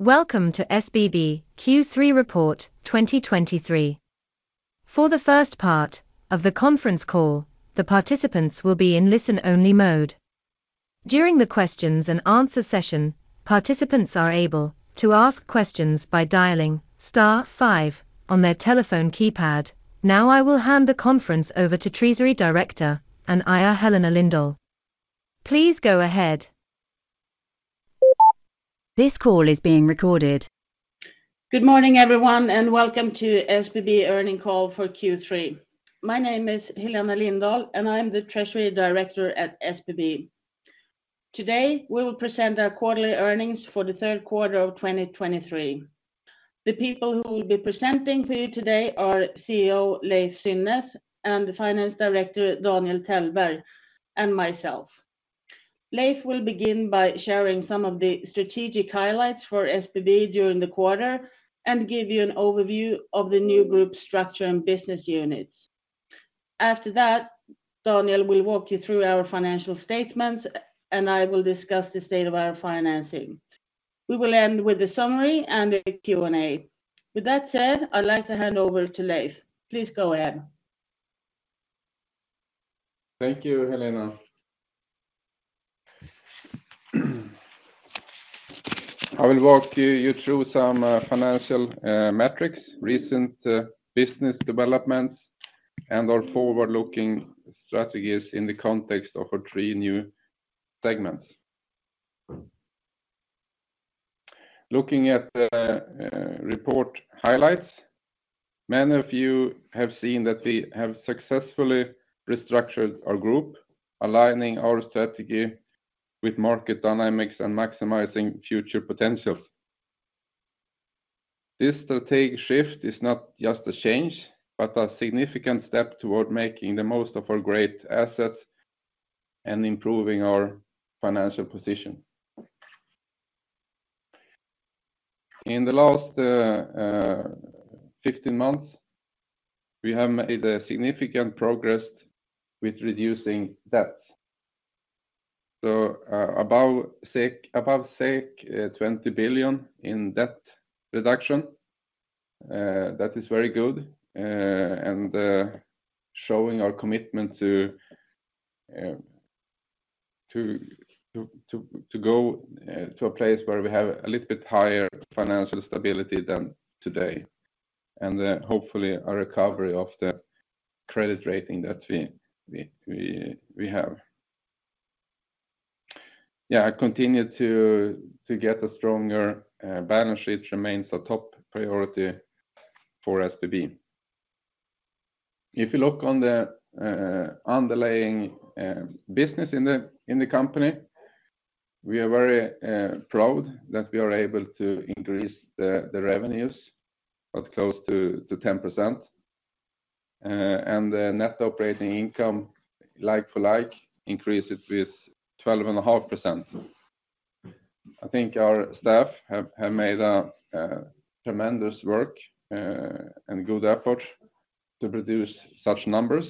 Welcome to SBB Q3 Report 2023. For the first part of the conference call, the participants will be in listen-only mode. During the questions and answer session, participants are able to ask questions by dialing star five on their telephone keypad. Now I will hand the conference over to Treasury Director Helena Lindahl. Please go ahead. This call is being recorded. Good morning, everyone, and welcome to SBB Earnings Call for Q3. My name is Helena Lindahl, and I am the Treasury Director at SBB. Today, we will present our quarterly earnings for the third quarter of 2023. The people who will be presenting to you today are CEO Leiv Synnes and the Finance Director, Daniel Tellberg, and myself. Leiv will begin by sharing some of the strategic highlights for SBB during the quarter and give you an overview of the new group structure and business units. After that, Daniel will walk you through our financial statements, and I will discuss the state of our financing. We will end with a summary and a Q&A. With that said, I'd like to hand over to Leiv. Please go ahead. Thank you, Helena. I will walk you through some financial metrics, recent business developments, and our forward-looking strategies in the context of our three new segments. Looking at the report highlights, many of you have seen that we have successfully restructured our group, aligning our strategy with market dynamics and maximizing future potential. This strategic shift is not just a change, but a significant step toward making the most of our great assets and improving our financial position. In the last 15 months, we have made a significant progress with reducing debts. So, above 20 billion in debt reduction. That is very good, and showing our commitment to go to a place where we have a little bit higher financial stability than today, and hopefully a recovery of the credit rating that we have. Yeah, continue to get a stronger balance sheet remains a top priority for SBB. If you look on the underlying business in the company, we are very proud that we are able to increase the revenues of close to 10%, and the net operating income, like-for-like, increases with 12.5%. I think our staff have made a tremendous work, and good effort to produce such numbers.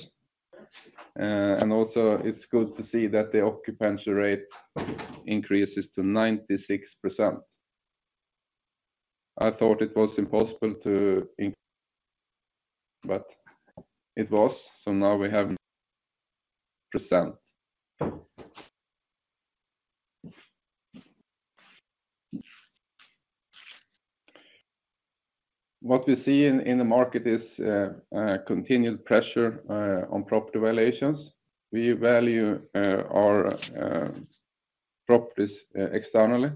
And also it's good to see that the occupancy rate increases to 96%. I thought it was impossible to inc-- but it was, so now we have percent. What we see in, in the market is, continued pressure, on property valuations. We value, our, properties, externally.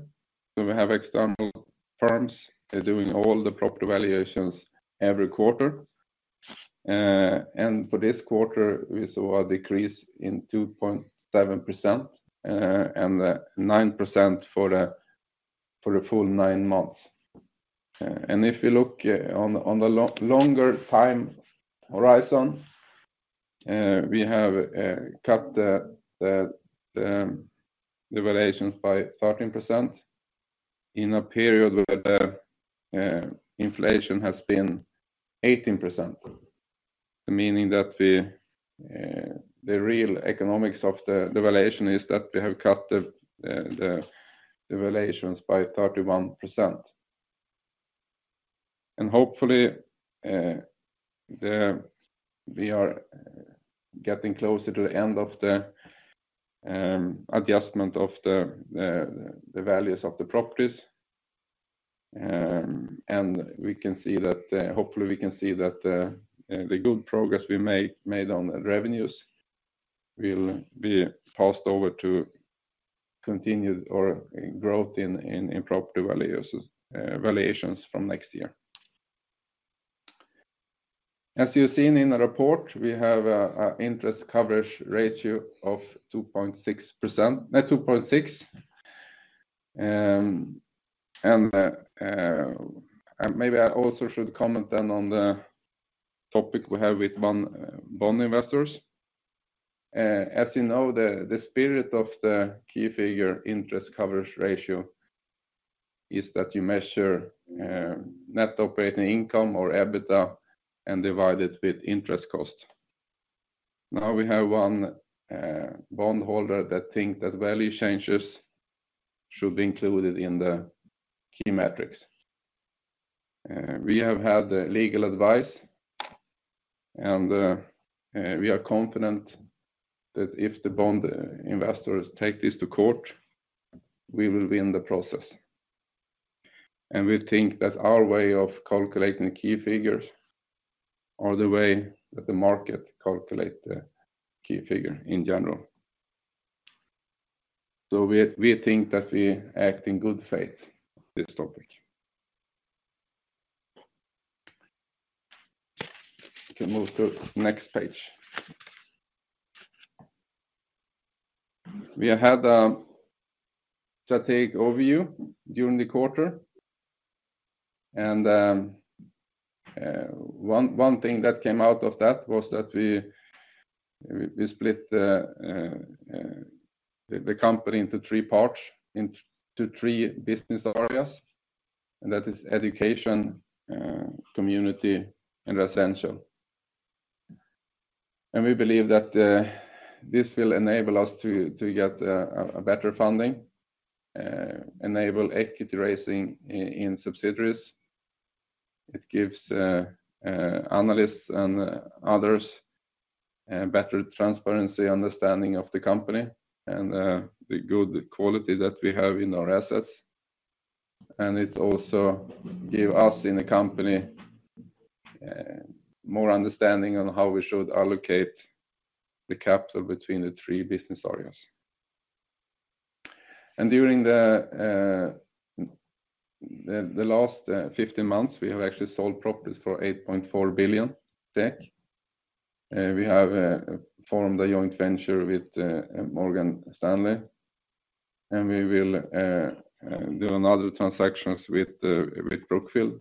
So we have external firms, they're doing all the property valuations every quarter. And for this quarter, we saw a decrease in 2.7%, and nine percent for the, for the full nine months. And if you look, on the, on the longer time horizon, we have, cut the, the, the valuations by 13% in a period where the, inflation has been 18%. Meaning that the, the real economics of the valuation is that we have cut the, the, the valuations by 31%. Hopefully, we are getting closer to the end of the adjustment of the values of the properties. We can see that, hopefully, we can see that the good progress we made on revenues will be passed over to continued or growth in property valuations from next year. As you've seen in the report, we have an interest coverage ratio of 2.6%-2.6. Maybe I also should comment then on the topic we have with bond investors. As you know, the spirit of the key figure, interest coverage ratio, is that you measure net operating income or EBITDA and divide it with interest cost. Now we have one bondholder that think that value changes should be included in the key metrics. We have had the legal advice, and we are confident that if the bond investors take this to court, we will win the process. And we think that our way of calculating key figures are the way that the market calculate the key figure in general. So we think that we act in good faith, this topic. You can move to next page. We had a strategic overview during the quarter, and one thing that came out of that was that we split the company into three parts, into three business areas, and that is education, community, and residential. And we believe that this will enable us to get a better funding, enable equity raising in subsidiaries. It gives analysts and others better transparency, understanding of the company, and the good quality that we have in our assets. And it also give us in the company more understanding on how we should allocate the capital between the three business areas. And during the last 15 months, we have actually sold properties for 8.4 billion. We have formed a joint venture with Morgan Stanley, and we will do another transactions with Brookfield,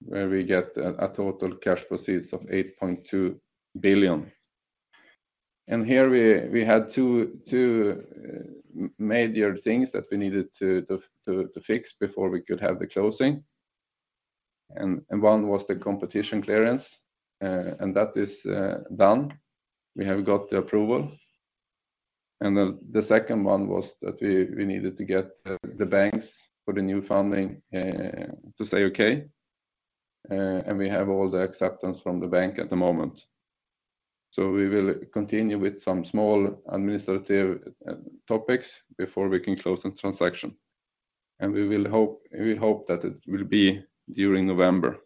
where we get a total cash proceeds of 8.2 billion. Here we had two major things that we needed to fix before we could have the closing. And one was the competition clearance, and that is done. We have got the approval. And the second one was that we needed to get the banks for the new funding to say okay, and we have all the acceptance from the bank at the moment. So we will continue with some small administrative topics before we can close the transaction. And we hope that it will be during November.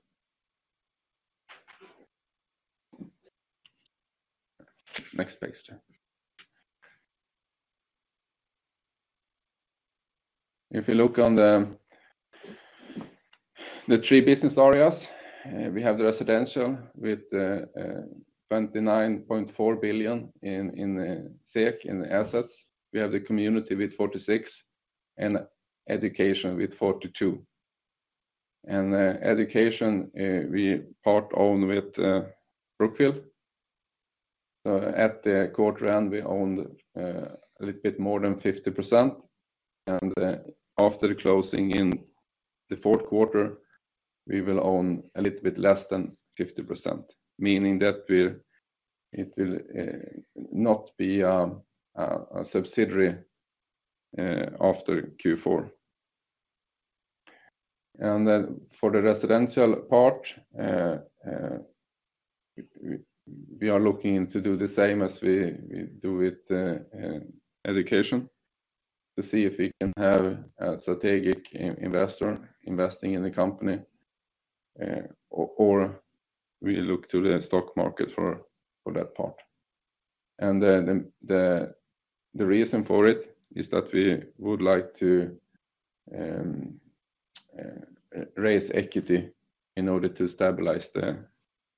Next page. If you look on the three business areas, we have the residential with 29.4 billion in the assets. We have the community with 46 billion, and education with 42 billion. Education, we part own with Brookfield. At the quarter end, we owned a little bit more than 50%, and after the closing in the fourth quarter, we will own a little bit less than 50%, meaning that it will not be a subsidiary after Q4. For the residential part, we are looking to do the same as we do with education, to see if we can have a strategic investor investing in the company, or we look to the stock market for that part. The reason for it is that we would like to raise equity in order to stabilize the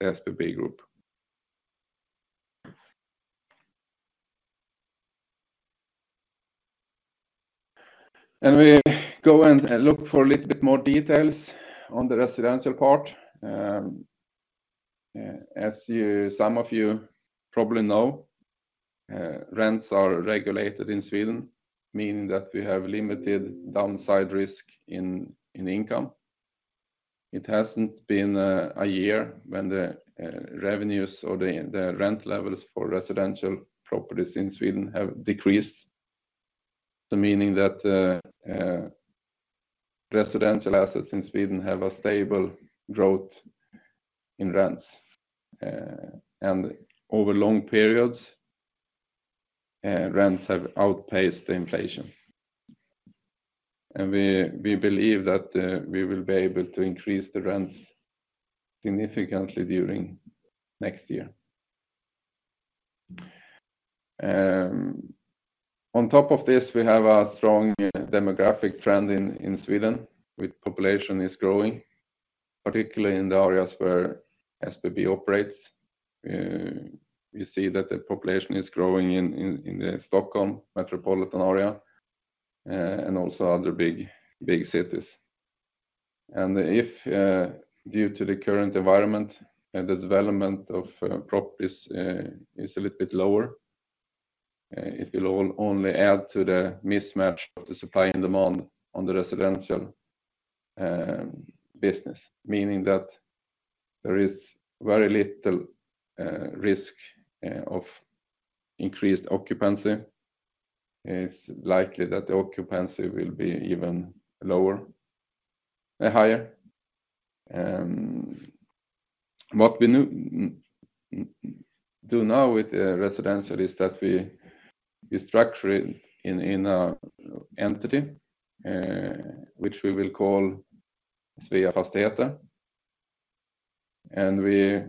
SBB Group. We go and look for a little bit more details on the residential part. As some of you probably know, rents are regulated in Sweden, meaning that we have limited downside risk in income. It hasn't been a year when the revenues or the rent levels for residential properties in Sweden have decreased. So meaning that, residential assets in Sweden have a stable growth in rents. And over long periods, rents have outpaced the inflation. And we believe that we will be able to increase the rents significantly during next year. On top of this, we have a strong demographic trend in Sweden, with population is growing, particularly in the areas where SBB operates. We see that the population is growing in the Stockholm metropolitan area, and also other big cities. And if due to the current environment the development of properties is a little bit lower, it will all only add to the mismatch of the supply and demand on the residential business. Meaning that there is very little risk of increased occupancy. It's likely that the occupancy will be even lower, higher. What we do now with the residential is that we structure it in a entity which we will call Sveafastigheter. And we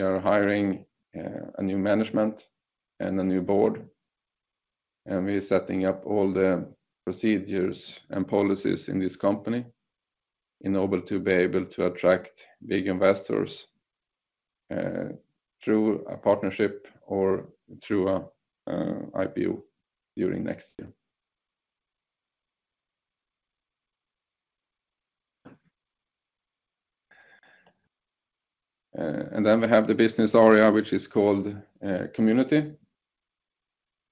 are hiring a new management and a new board, and we are setting up all the procedures and policies in this company in order to be able to attract big investors through a partnership or through a IPO during next year. And then we have the business area, which is called community,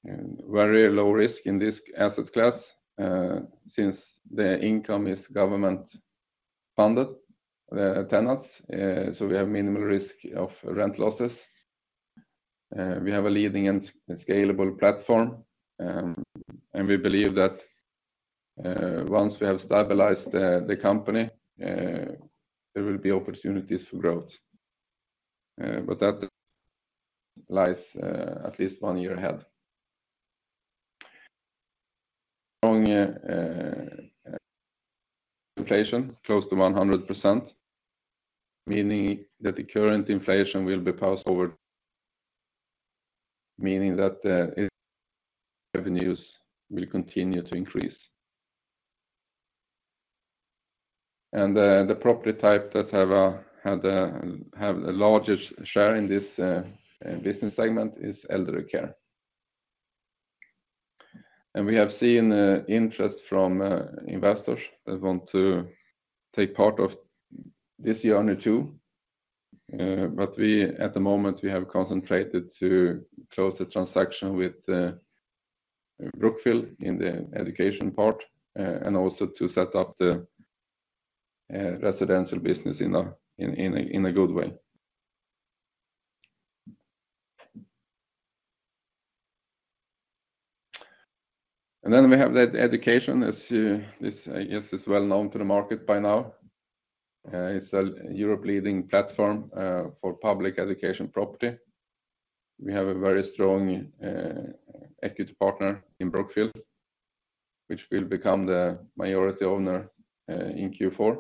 and very low risk in this asset class, since the income is government-funded tenants, so we have minimal risk of rent losses. We have a leading and scalable platform, and we believe that once we have stabilized the company, there will be opportunities for growth, but that lies at least one year ahead. On inflation, close to 100%, meaning that the current inflation will be passed over. Meaning that the revenues will continue to increase. And the property type that have had have the largest share in this business segment is elderly care. And we have seen interest from investors that want to take part of this journey, too. But we, at the moment, we have concentrated to close the transaction with Brookfield in the education part, and also to set up the residential business in a good way. And then we have the education, as this, I guess, is well known to the market by now. It's a Europe's leading platform for public education property. We have a very strong equity partner in Brookfield, which will become the majority owner in Q4.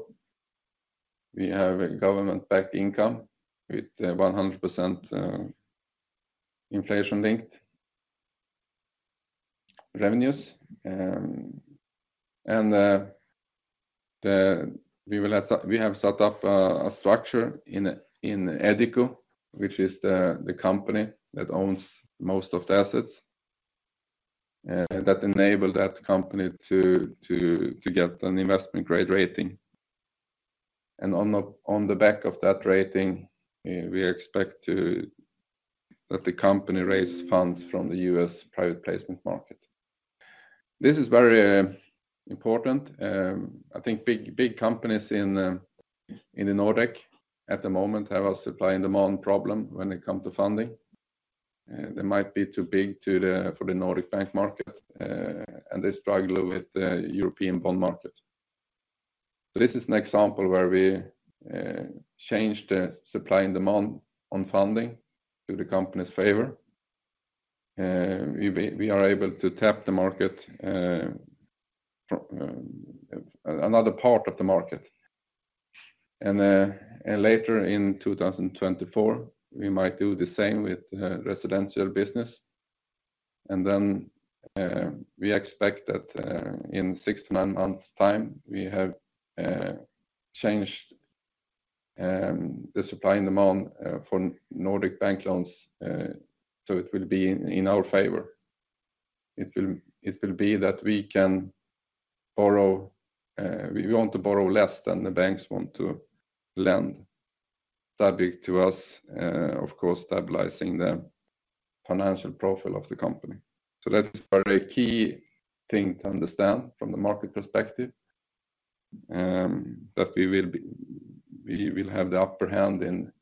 We have a government-backed income with 100% inflation-linked revenues. And we will have, we have set up a structure in EduCo, which is the company that owns most of the assets, that enable that company to get an investment-grade rating. On the back of that rating, we expect that the company raise funds from the U.S. private placement market. This is very important. I think big companies in the Nordic at the moment have a supply and demand problem when it come to funding. They might be too big for the Nordic bank market, and they struggle with the European bond market. So this is an example where we change the supply and demand on funding to the company's favor. We are able to tap the market from another part of the market. And later in 2024, we might do the same with residential business. Then we expect that in 6-9 months time we have changed the supply and demand for Nordic bank loans, so it will be in our favor. It will, it will be that we can borrow, we want to borrow less than the banks want to lend, subject to us, of course, stabilizing the financial profile of the company. So that is very key thing to understand from the market perspective, that we will be we will have the upper hand in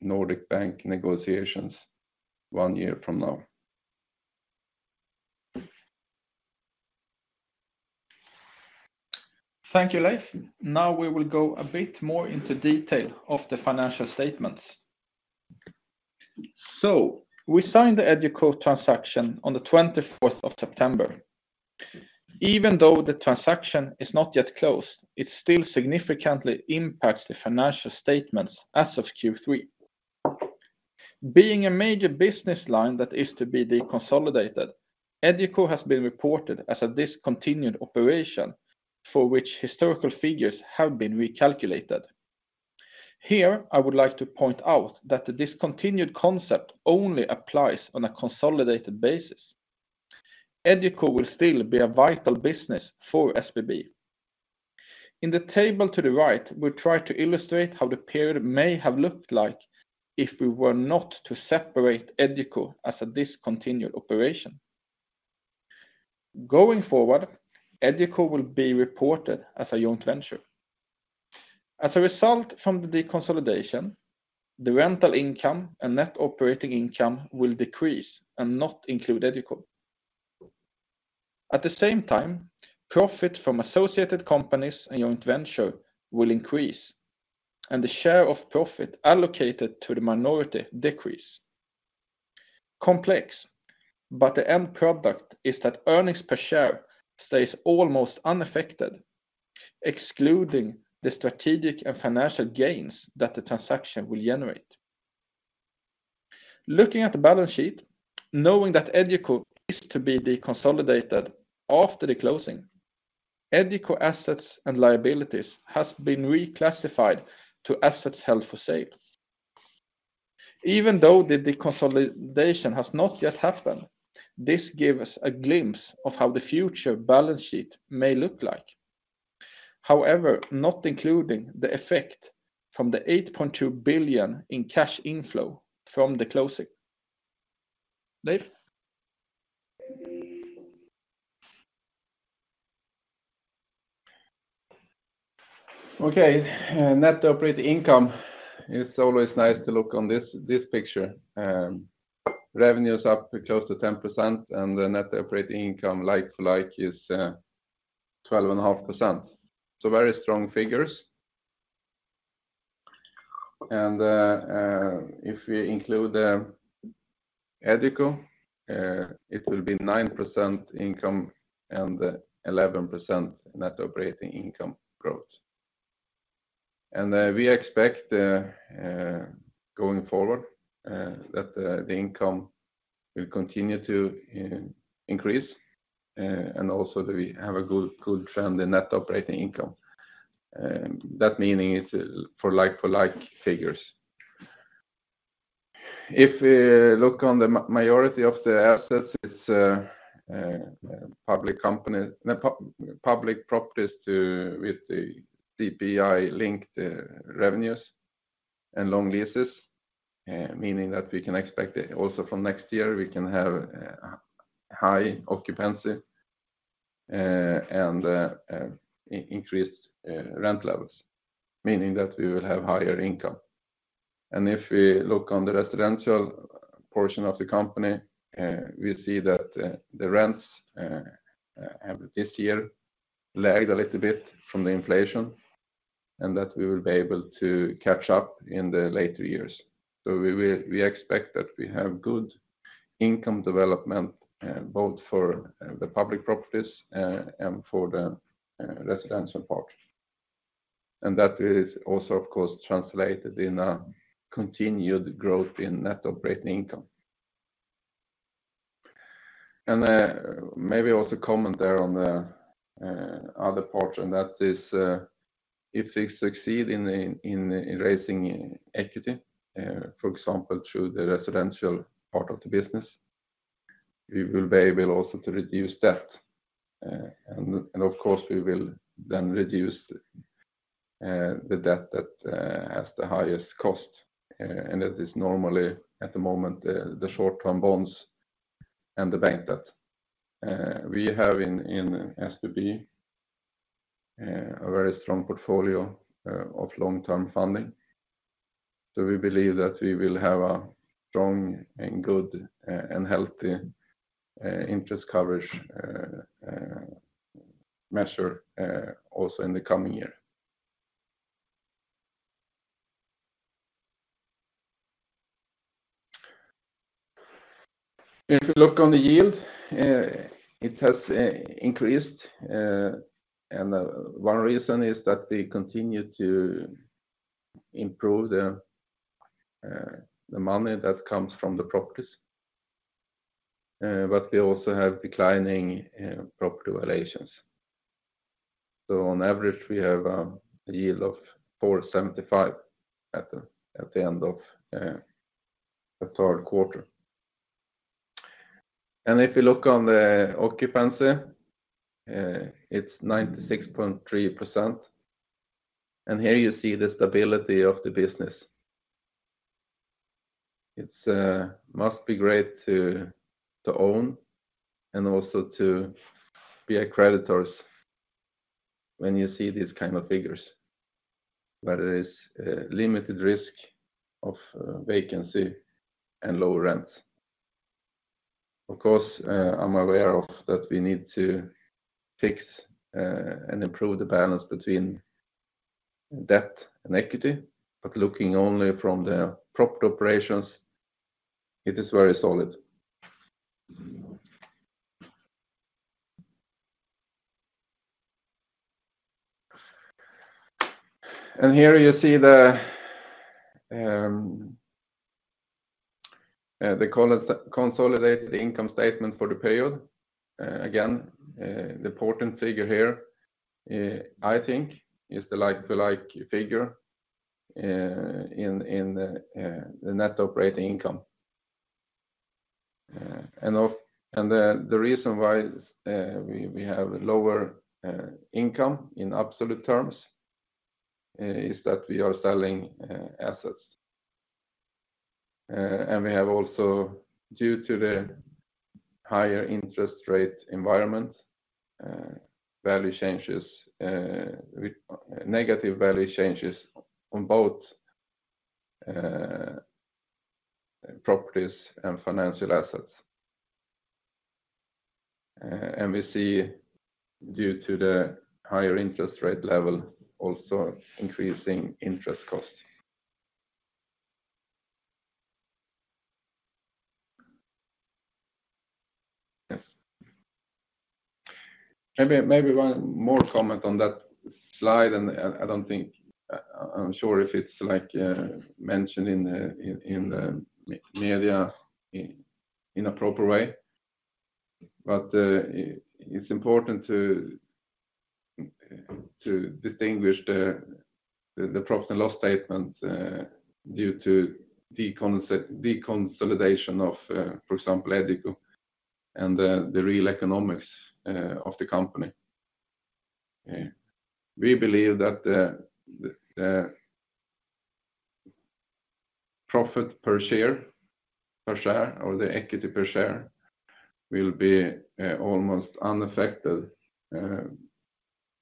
Nordic bank negotiations one year from now. Thank you, Leiv. Now, we will go a bit more into detail of the financial statements. We signed the EduCo transaction on the 24th of September. Even though the transaction is not yet closed, it still significantly impacts the financial statements as of Q3. Being a major business line that is to be deconsolidated, EduCo has been reported as a discontinued operation for which historical figures have been recalculated. Here, I would like to point out that the discontinued concept only applies on a consolidated basis. EduCo will still be a vital business for SBB.... In the table to the right, we try to illustrate how the period may have looked like if we were not to separate EduCo as a discontinued operation. Going forward, EduCo will be reported as a joint venture. As a result from the deconsolidation, the rental income and net operating income will decrease and not include EduCo. At the same time, profit from associated companies and joint venture will increase, and the share of profit allocated to the minority decrease. Complex, but the end product is that earnings per share stays almost unaffected, excluding the strategic and financial gains that the transaction will generate. Looking at the balance sheet, knowing that EduCo is to be deconsolidated after the closing, EduCo assets and liabilities has been reclassified to assets held for sale. Even though the deconsolidation has not yet happened, this gives us a glimpse of how the future balance sheet may look like. However, not including the effect from the 8.2 billion in cash inflow from the closing. Leiv? Okay, net operating income, it's always nice to look on this, this picture. Revenue is up close to 10%, and the net operating income, like-for-like, is 12.5%. So very strong figures. And if we include the EduCo, it will be 9% income and 11% net operating income growth. And we expect, going forward, that the income will continue to increase, and also that we have a good, good trend in net operating income. That meaning is for like-for-like figures. If we look on the majority of the assets, it's public properties too, with the CPI-linked revenues and long leases, meaning that we can expect it also from next year, we can have high occupancy and increased rent levels, meaning that we will have higher income. If we look on the residential portion of the company, we see that the rents this year lagged a little bit from the inflation, and that we will be able to catch up in the later years. We expect that we have good income development both for the public properties and for the residential part. And that is also, of course, translated in a continued growth in net operating income. Maybe also comment there on the other part, and that is, if we succeed in raising equity, for example, through the residential part of the business, we will be able also to reduce debt. And, of course, we will then reduce the debt that has the highest cost, and that is normally, at the moment, the short-term bonds and the bank debt. We have in SBB a very strong portfolio of long-term funding, so we believe that we will have a strong and good and healthy interest coverage measure also in the coming year. If you look on the yield, it has increased, and one reason is that we continue to improve the money that comes from the properties, but we also have declining property valuations. So on average, we have a yield of 4.75 at the end of the third quarter. And if you look on the occupancy, it's 96.3%, and here you see the stability of the business. It must be great to own and also to be a creditor when you see these kind of figures, where there is limited risk of vacancy and low rent. Of course, I'm aware that we need to fix and improve the balance between debt and equity, but looking only from the property operations, it is very solid. Here you see the consolidated income statement for the period. Again, the important figure here, I think, is the like-for-like figure in the net operating income. And the reason why we have a lower income in absolute terms is that we are selling assets. And we have also, due to the higher interest rate environment, value changes with negative value changes on both properties and financial assets. And we see due to the higher interest rate level, also increasing interest costs. Yes. Maybe one more comment on that slide, and I don't think I'm sure if it's like mentioned in the media in a proper way. But, it's important to distinguish the profit and loss statement due to deconsolidation of, for example, EduCo, and the real economics of the company. We believe that the profit per share, or the equity per share, will be almost unaffected,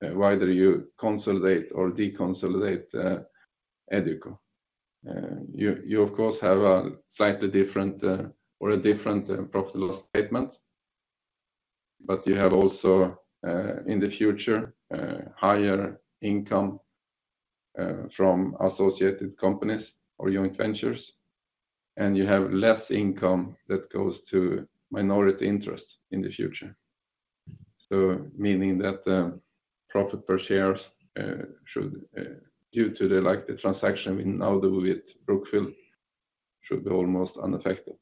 whether you consolidate or deconsolidate EduCo. You, of course, have a slightly different or a different profit and loss statement, but you have also, in the future, higher income from associated companies or joint ventures, and you have less income that goes to minority interest in the future. So meaning that the profit per shares should, due to like the transaction we now do with Brookfield, should be almost unaffected.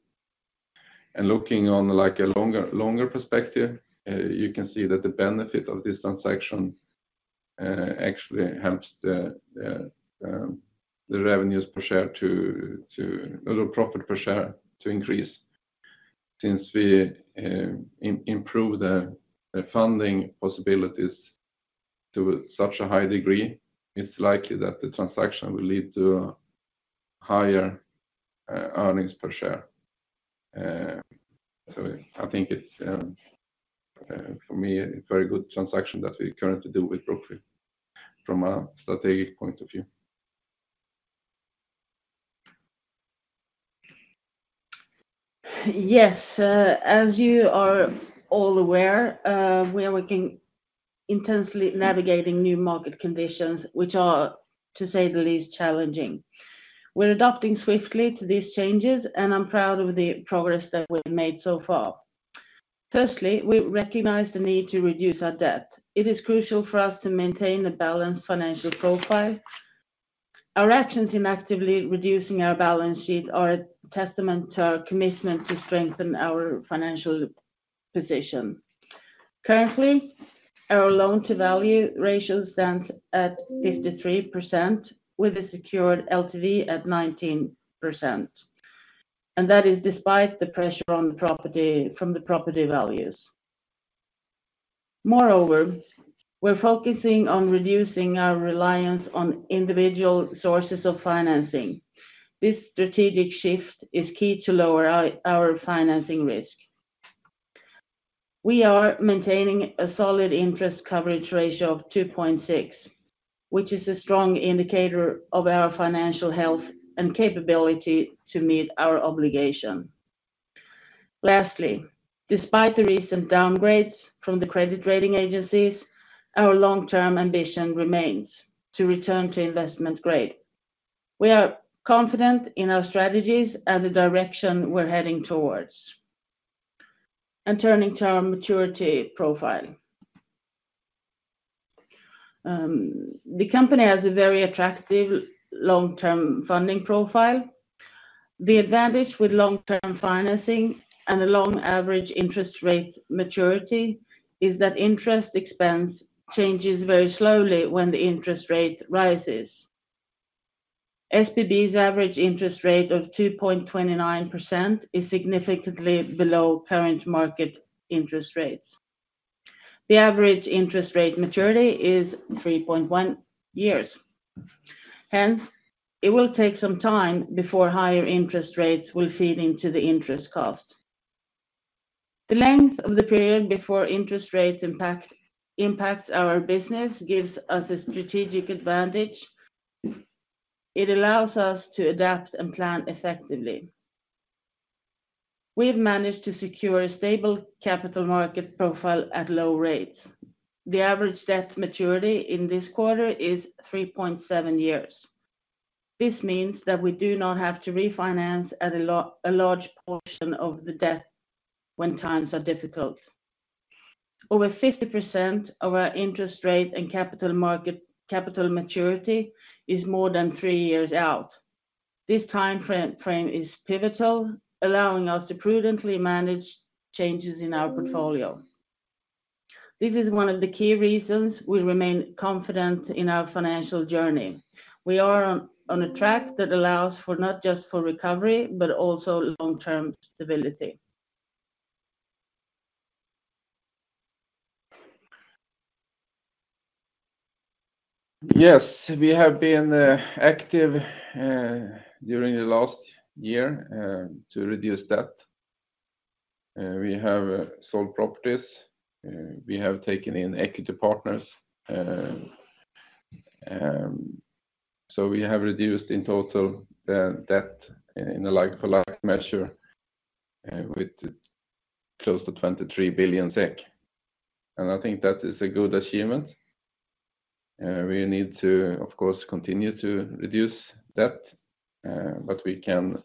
Looking on like a longer perspective, you can see that the benefit of this transaction actually helps the revenues per share to or the profit per share to increase. Since we improve the funding possibilities to such a high degree, it's likely that the transaction will lead to higher earnings per share. So I think it's for me a very good transaction that we currently do with Brookfield from a strategic point of view. Yes, as you are all aware, we are working intensely, navigating new market conditions, which are, to say the least, challenging. We're adapting swiftly to these changes, and I'm proud of the progress that we've made so far. Firstly, we recognize the need to reduce our debt. It is crucial for us to maintain a balanced financial profile. Our actions in actively reducing our balance sheet are a testament to our commitment to strengthen our financial position. Currently, our loan-to-value ratio stands at 53%, with a secured LTV at 19%. That is despite the pressure on the property values. Moreover, we're focusing on reducing our reliance on individual sources of financing. This strategic shift is key to lower our, our financing risk. We are maintaining a solid interest coverage ratio of 2.6, which is a strong indicator of our financial health and capability to meet our obligation. Lastly, despite the recent downgrades from the credit rating agencies, our long-term ambition remains to return to investment grade. We are confident in our strategies and the direction we're heading towards. Turning to our maturity profile. The company has a very attractive long-term funding profile. The advantage with long-term financing and a long average interest rate maturity is that interest expense changes very slowly when the interest rate rises. SBB's average interest rate of 2.29% is significantly below current market interest rates. The average interest rate maturity is 3.1 years. Hence, it will take some time before higher interest rates will feed into the interest cost. The length of the period before interest rates impact our business gives us a strategic advantage. It allows us to adapt and plan effectively. We have managed to secure a stable capital market profile at low rates. The average debt maturity in this quarter is 3.7 years. This means that we do not have to refinance a large portion of the debt when times are difficult. Over 50% of our interest rate and capital market capital maturity is more than three years out. This time frame is pivotal, allowing us to prudently manage changes in our portfolio. This is one of the key reasons we remain confident in our financial journey. We are on a track that allows for not just recovery, but also long-term stability. Yes, we have been active during the last year to reduce debt. We have sold properties, we have taken in equity partners. So we have reduced in total debt in a like-for-like measure with close to 23 billion SEK. And I think that is a good achievement. We need to, of course, continue to reduce debt, but we can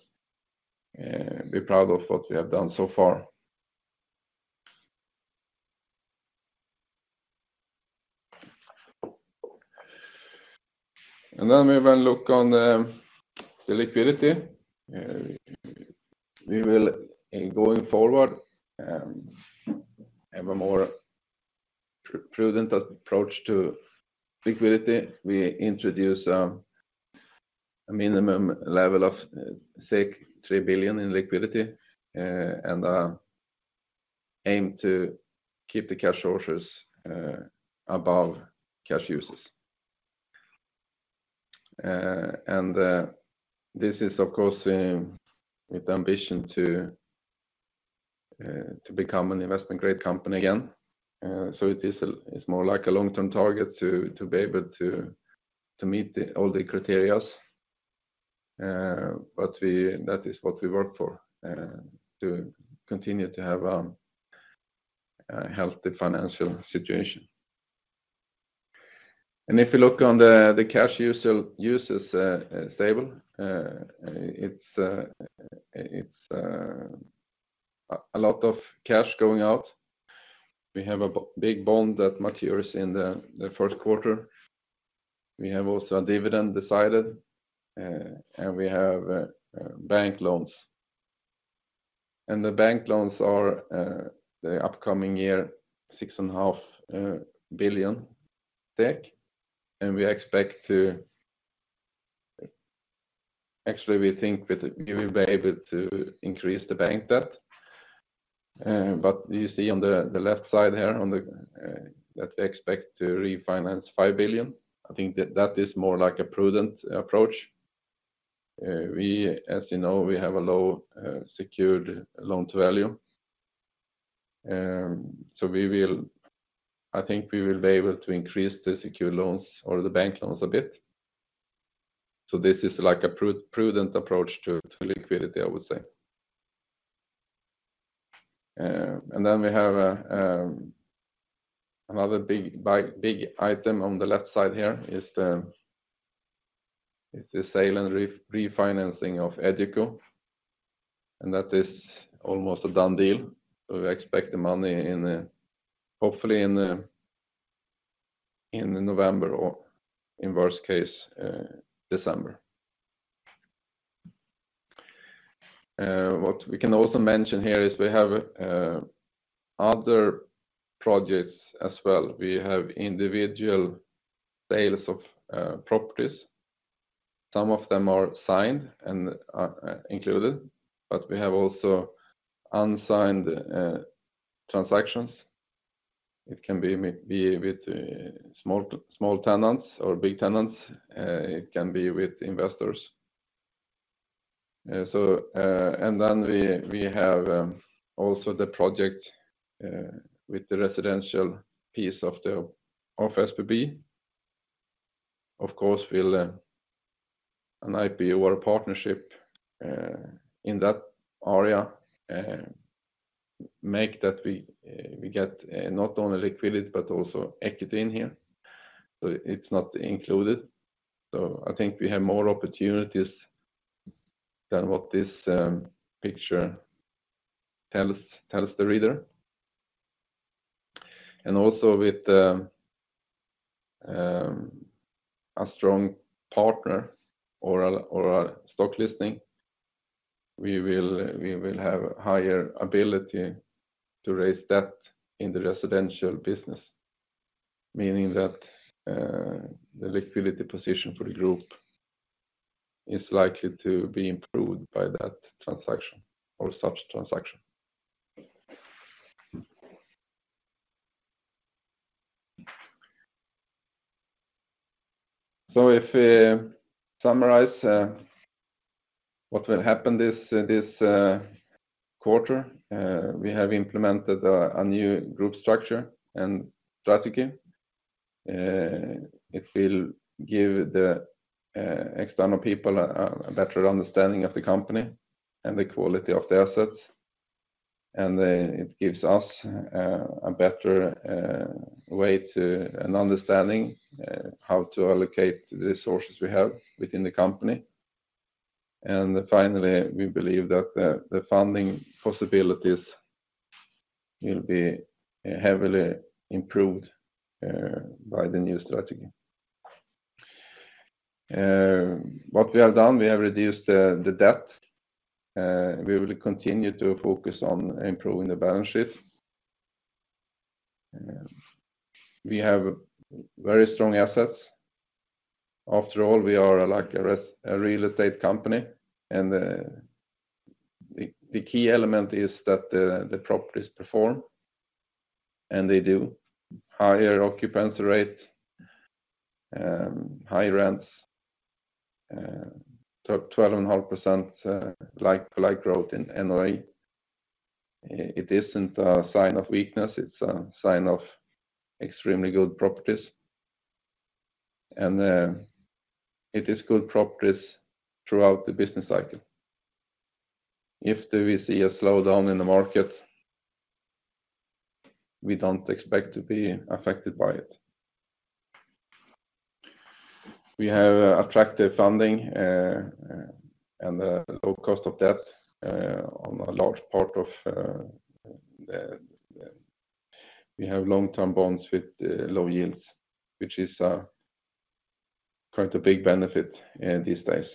be proud of what we have done so far. And then we will look on the liquidity. We will, in going forward, have a more prudent approach to liquidity. We introduce a minimum level of 3 billion in liquidity, and aim to keep the cash sources above cash uses. And this is, of course, with ambition to become an investment-grade company again. So it is—it's more like a long-term target to be able to meet all the criteria. But that is what we work for, to continue to have a healthy financial situation. And if you look on the cash uses, stable, it's a lot of cash going out. We have a big bond that matures in the first quarter. We have also a dividend decided, and we have bank loans. And the bank loans are the upcoming year, 6.5 billion, and we expect to—Actually, we think that we will be able to increase the bank debt. But you see on the left side here, on that we expect to refinance 5 billion. I think that that is more like a prudent approach. We, as you know, we have a low secured loan-to-value. So I think we will be able to increase the secure loans or the bank loans a bit. So this is like a prudent approach to liquidity, I would say. And then we have another big item on the left side here is the sale and refinancing of EduCo, and that is almost a done deal. We expect the money in hopefully in November, or in worst case December. What we can also mention here is we have other projects as well. We have individual sales of properties. Some of them are signed and are included, but we have also unsigned transactions. It can be with small tenants or big tenants, it can be with investors. So and then we have also the project with the residential piece of SBB. Of course, an IPO or a partnership in that area make that we get not only liquidity, but also equity in here. So it's not included. So I think we have more opportunities than what this picture tells the reader. And also with a strong partner or a stock listing, we will have higher ability to raise debt in the residential business, meaning that the liquidity position for the group is likely to be improved by that transaction or such transaction. So if we summarize what will happen this quarter, we have implemented a new group structure and strategy. It will give the external people a better understanding of the company and the quality of the assets, and it gives us a better way and understanding how to allocate the resources we have within the company. And finally, we believe that the funding possibilities will be heavily improved by the new strategy. What we have done, we have reduced the debt, we will continue to focus on improving the balance sheet. We have very strong assets. After all, we are like a real estate company, and the key element is that the properties perform, and they do higher occupancy rate, high rents, 12.5%, like growth in NOI. It isn't a sign of weakness, it's a sign of extremely good properties. And it is good properties throughout the business cycle. If do we see a slowdown in the market, we don't expect to be affected by it. We have attractive funding and a low cost of debt on a large part of the. We have long-term bonds with low yields, which is quite a big benefit these days.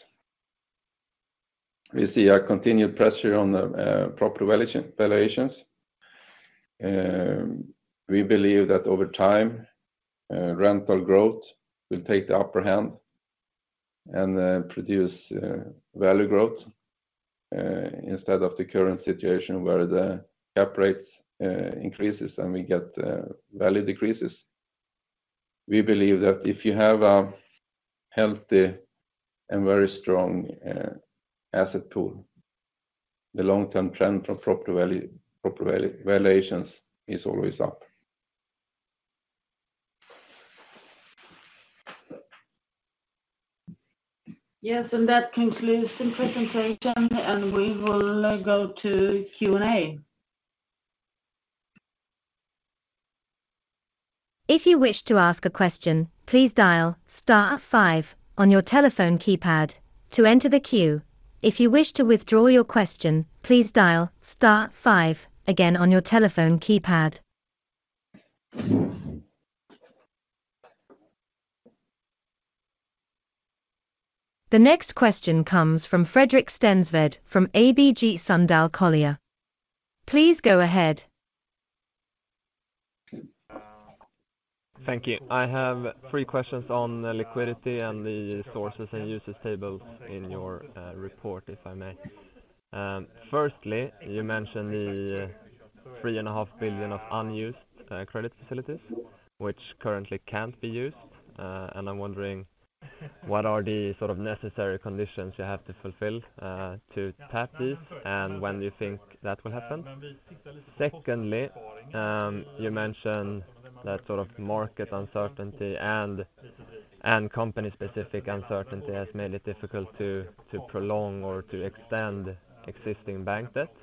We see a continued pressure on the property valuations. We believe that over time, rental growth will take the upper hand and produce value growth instead of the current situation where the cap rate increases, and we get value decreases. We believe that if you have a healthy and very strong asset pool, the long-term trend of property valuations is always up. Yes, and that concludes the presentation, and we will go to Q&A. If you wish to ask a question, please dial star five on your telephone keypad to enter the queue. If you wish to withdraw your question, please dial star five again on your telephone keypad. The next question comes from Fredrik Stensved from ABG Sundal Collier. Please go ahead. Thank you. I have three questions on the liquidity and the sources and uses tables in your report, if I may. Firstly, you mentioned the 3.5 billion of unused credit facilities, which currently can't be used. I'm wondering, what are the sort of necessary conditions you have to fulfill to tap these, and when do you think that will happen? Secondly, you mentioned that sort of market uncertainty and company-specific uncertainty has made it difficult to prolong or to extend existing bank debt.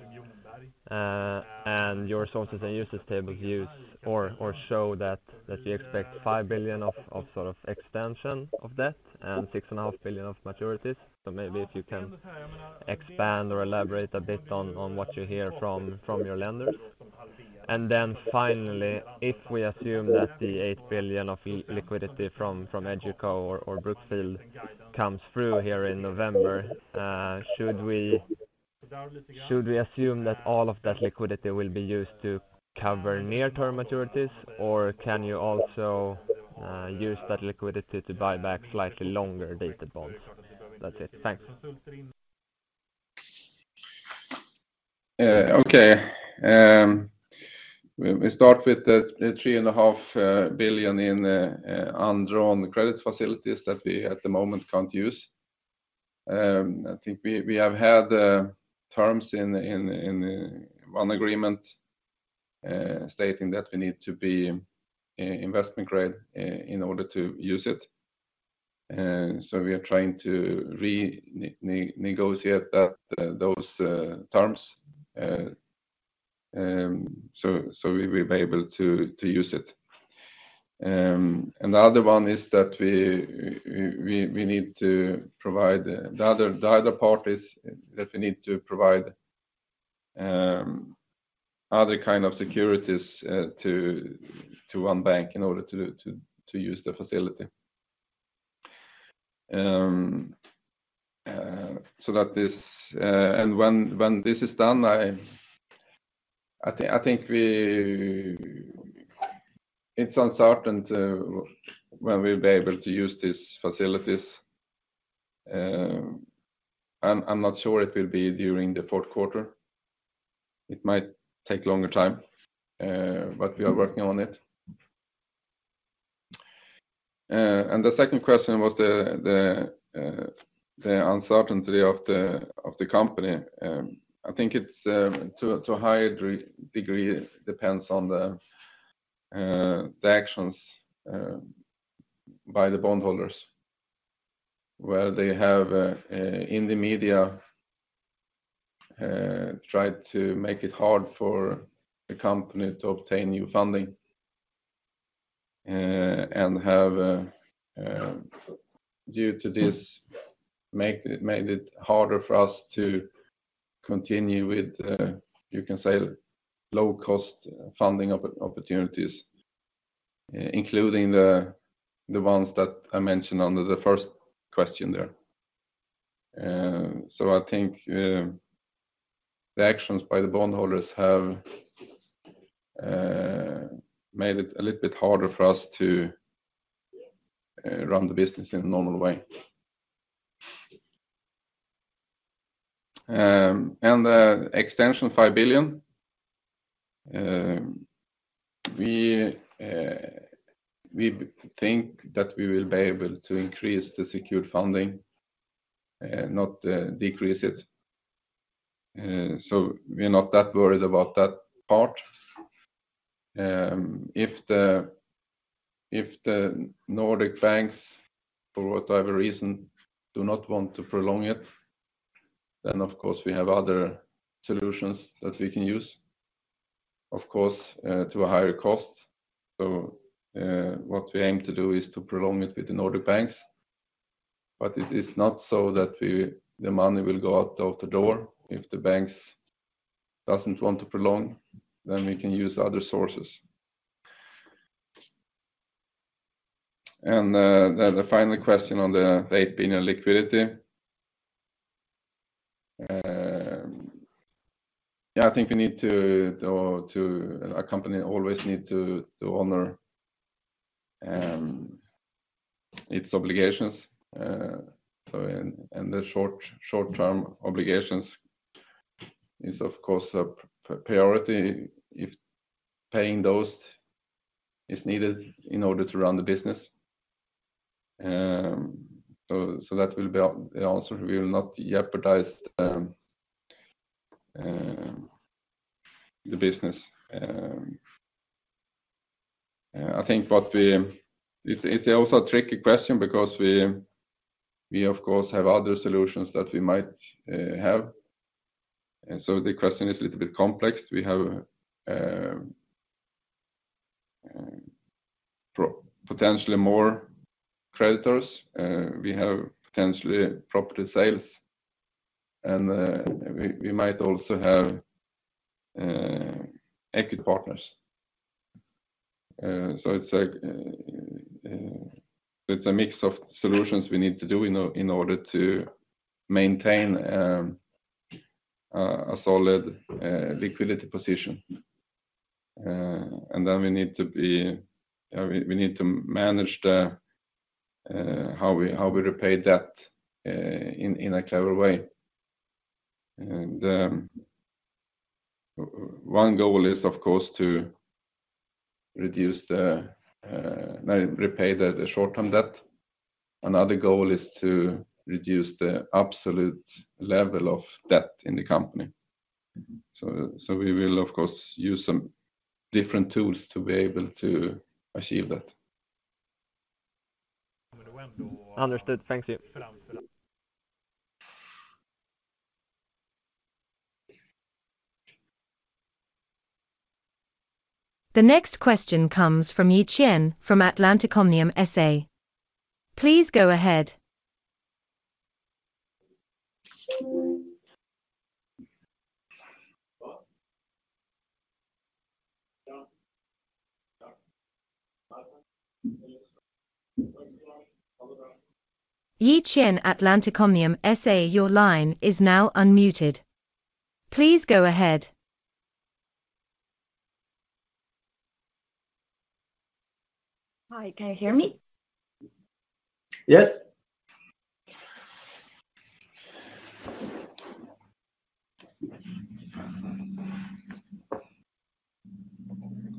Your sources and uses table shows that you expect 5 billion of sort of extension of debt and 6.5 billion of maturities. So maybe if you can expand or elaborate a bit on what you hear from your lenders. Then finally, if we assume that the 8 billion of liquidity from EduCo or Brookfield comes through here in November, should we assume that all of that liquidity will be used to cover near-term maturities, or can you also use that liquidity to buy back slightly longer-dated bonds? That's it. Thanks. Okay. We start with the 3.5 billion in undrawn credit facilities that we at the moment can't use. I think we have had terms in one agreement stating that we need to be investment grade in order to use it. So we are trying to renegotiate those terms so we will be able to use it. Another one is that the other part is that we need to provide other kind of securities to one bank in order to use the facility. So that this and when this is done, I think we—It's uncertain when we'll be able to use these facilities. I'm not sure it will be during the fourth quarter. It might take longer time, but we are working on it. And the second question about the uncertainty of the company, I think it's to a higher degree, it depends on the actions by the bondholders, where they have in the media tried to make it hard for the company to obtain new funding, and have due to this... Made it harder for us to continue with, you can say, low-cost funding opportunities, including the ones that I mentioned under the first question there. So I think the actions by the bondholders have made it a little bit harder for us to run the business in a normal way. And the extension, SEK 5 billion, we think that we will be able to increase the secured funding, not decrease it. So we are not that worried about that part. If the Nordic banks, for whatever reason, do not want to prolong it, then of course, we have other solutions that we can use, of course, to a higher cost. So, what we aim to do is to prolong it with the Nordic banks, but it is not so that we let the money go out of the door. If the banks doesn't want to prolong, then we can use other sources. And the final question on the debt being a liquidity. Yeah, I think we need to a company always need to honor its obligations, so the short-term obligations is, of course, a priority if paying those is needed in order to run the business. So that will be also we will not jeopardize the business. I think what it's also a tricky question because we of course have other solutions that we might have, and so the question is a little bit complex. We have potentially more creditors, we have potentially property sales, and we might also have equity partners. So it's like. It's a mix of solutions we need to do in order to maintain a solid liquidity position. And then we need to manage how we repay debt in a clever way. And one goal is, of course, to reduce, repay the short-term debt. Another goal is to reduce the absolute level of debt in the company. So we will, of course, use some different tools to be able to achieve that. Understood. Thank you. The next question comes from Yi Qian from Atlanticomnium SA. Please go ahead. Yi Qian, Atlantic Omnium SA, your line is now unmuted. Please go ahead. Hi, can you hear me?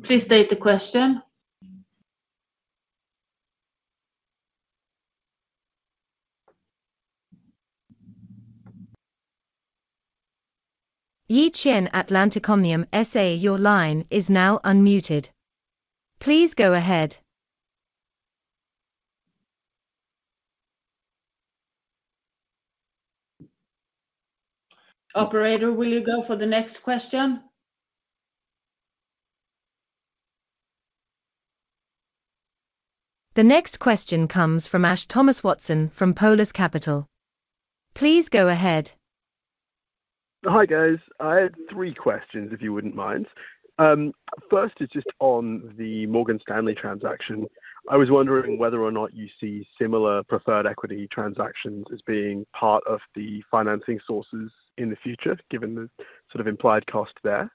Yes. Please state the question. Yi Qian, Atlanticomnium SA, your line is now unmuted. Please go ahead. Operator, will you go for the next question? The next question comes from Ash Thomas-Watson from Polus Capital. Please go ahead. Hi, guys. I had three questions, if you wouldn't mind. First is just on the Morgan Stanley transaction. I was wondering whether or not you see similar preferred equity transactions as being part of the financing sources in the future, given the sort of implied cost there.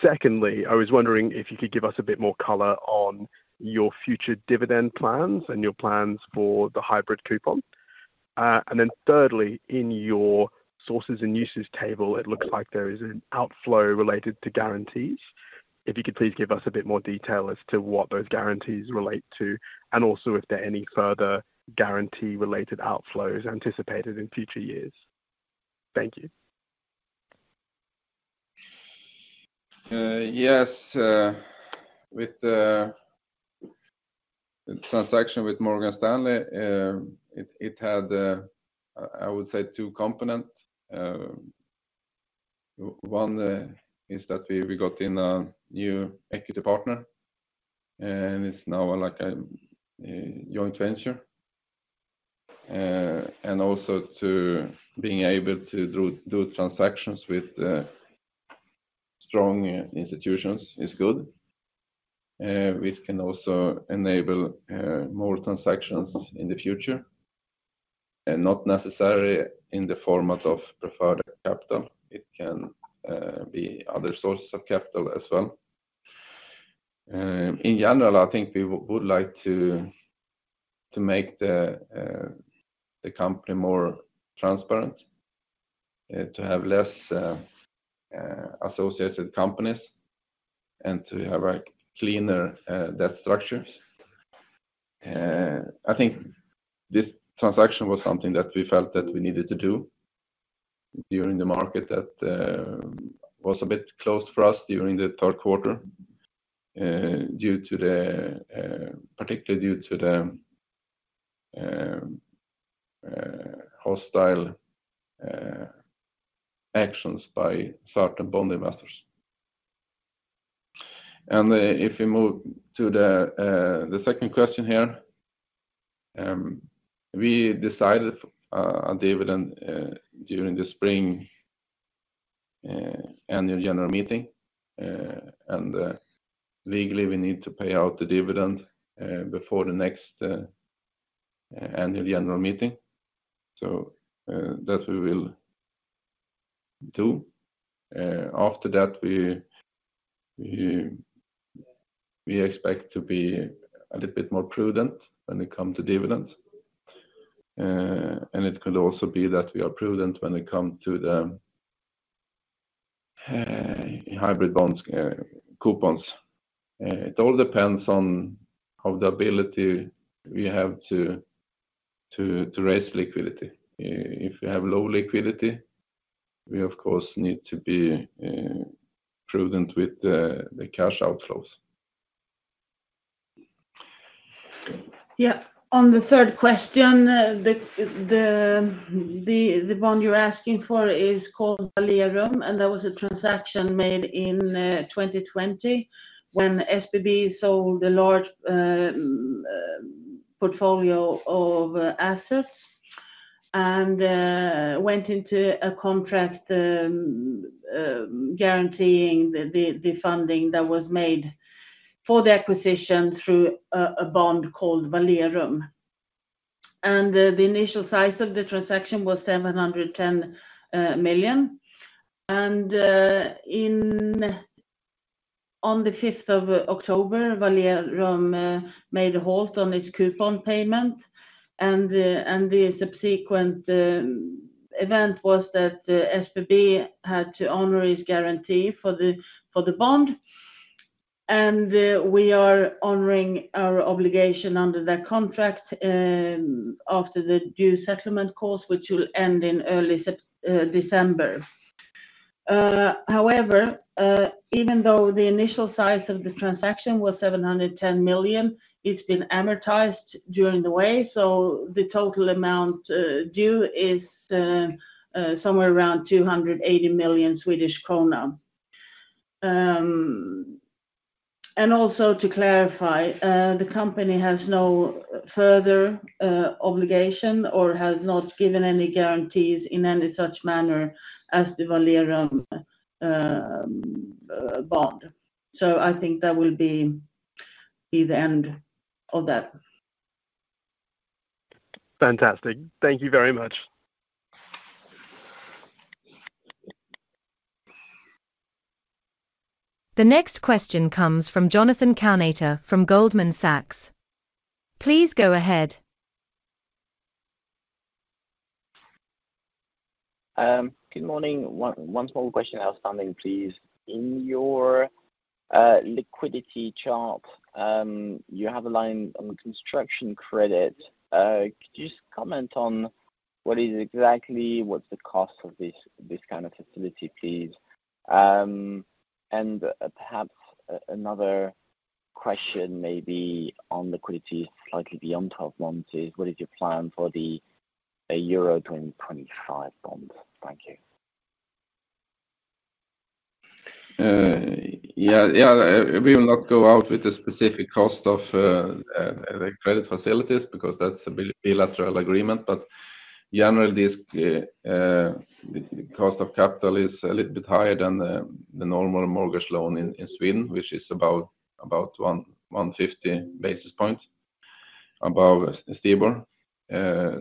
Secondly, I was wondering if you could give us a bit more color on your future dividend plans and your plans for the hybrid coupon. And then thirdly, in your sources and uses table, it looks like there is an outflow related to guarantees. If you could please give us a bit more detail as to what those guarantees relate to, and also if there are any further guarantee-related outflows anticipated in future years? Thank you. Yes, with the transaction with Morgan Stanley, it had, I would say, two components. One is that we got in a new equity partner, and it's now like a joint venture. And also to being able to do transactions with strong institutions is good. Which can also enable more transactions in the future, and not necessarily in the format of preferred capital. It can be other sources of capital as well. In general, I think we would like to make the company more transparent, to have less associated companies, and to have a cleaner debt structures. I think this transaction was something that we felt that we needed to do during the market that was a bit closed for us during the third quarter, due to the particularly due to the hostile actions by certain bond investors. If we move to the second question here, we decided on dividend during the spring annual general meeting. And, legally, we need to pay out the dividend before the next annual general meeting. So, that we will do. After that, we expect to be a little bit more prudent when it come to dividends. And it could also be that we are prudent when it come to the hybrid bonds coupons. It all depends on the ability we have to raise liquidity. If you have low liquidity, we of course need to be prudent with the cash outflows. Yeah. On the third question, the bond you're asking for is called Valearum, and that was a transaction made in 2020, when SBB sold a large portfolio of assets, and went into a contract guaranteeing the funding that was made for the acquisition through a bond called Valerum. And the initial size of the transaction was 710 million. And on the 5th of October, Valerum made a halt on its coupon payment, and the subsequent event was that the SBB had to honor its guarantee for the bond. And we are honoring our obligation under that contract after the due settlement course, which will end in early December. However, even though the initial size of the transaction was 710 million, it's been amortized during the way, so the total amount due is somewhere around 280 million Swedish krona. And also to clarify, the company has no further obligation or has not given any guarantees in any such manner as the Valerum bond. So I think that will be the end of that. Fantastic. Thank you very much. The next question comes from Jonathan Kownator from Goldman Sachs. Please go ahead. Good morning. One small question I was finding, please. In your liquidity chart, you have a line on construction credit. Could you just comment on what is exactly, what's the cost of this kind of facility, please? And perhaps another question may be on liquidity, slightly beyond 12 months, is what is your plan for the Euro 2025 bond? Thank you. Yeah, yeah. We will not go out with a specific cost of the credit facilities, because that's a bilateral agreement, but generally, this cost of capital is a little bit higher than the normal mortgage loan in Sweden, which is about 150 basis points above STIBOR.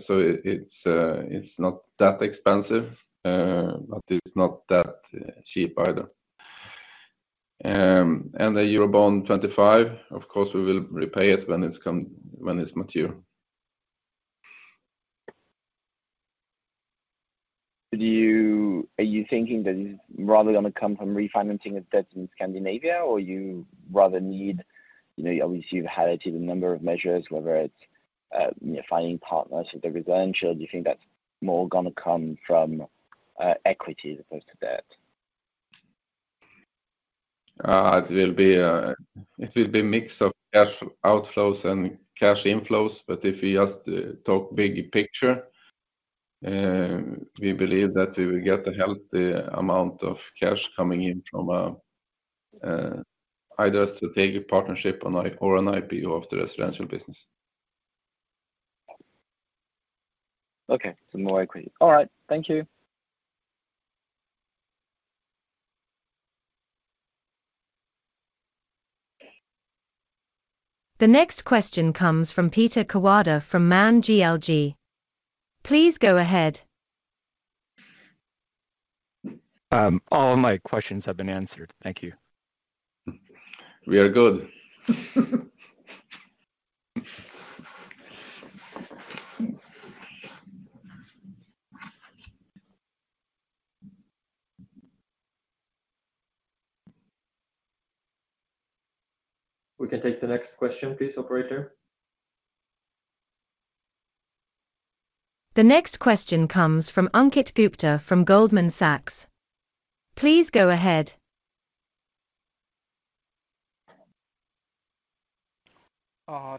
So it's not that expensive, but it's not that cheap either. And the eurobond 25, of course, we will repay it when it's mature. Are you thinking that it's rather going to come from refinancing a debt in Scandinavia, or you rather need, you know, obviously, you've highlighted a number of measures, whether it's, you know, finding partners with the residential. Do you think that's more going to come from, equity as opposed to debt?... It will be a mix of cash outflows and cash inflows, but if we just talk big picture, we believe that we will get a healthy amount of cash coming in from either a strategic partnership on or an IPO of the residential business. Okay, so more equity. All right, thank you. The next question comes from Peter Kawada from Man GLG. Please go ahead. All my questions have been answered. Thank you. We are good. We can take the next question, please, operator. The next question comes from Ankit Gupta from Goldman Sachs. Please go ahead.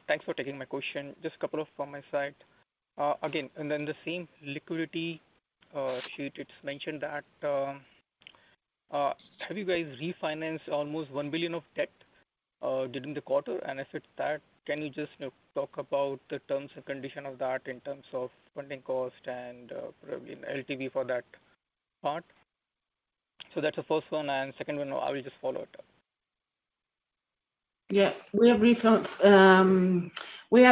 Thanks for taking my question. Just a couple of from my side. Again, and then the same liquidity sheet, it's mentioned that have you guys refinanced almost 1 billion of debt during the quarter? And if it's that, can you just, you know, talk about the terms and condition of that in terms of funding cost and probably LTV for that part? So that's the first one, and second one, I will just follow it up. Yes. We have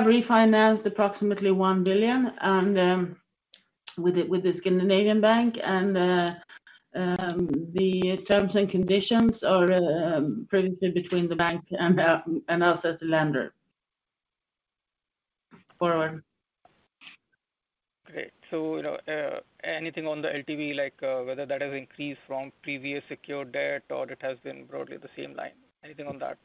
refinanced approximately 1 billion, and, with the, with the Scandinavian Bank, and, the terms and conditions are, previously between the bank and the, and us as the lender. Forward. Great. So, you know, anything on the LTV, like, whether that has increased from previous secured debt or it has been broadly the same line? Anything on that?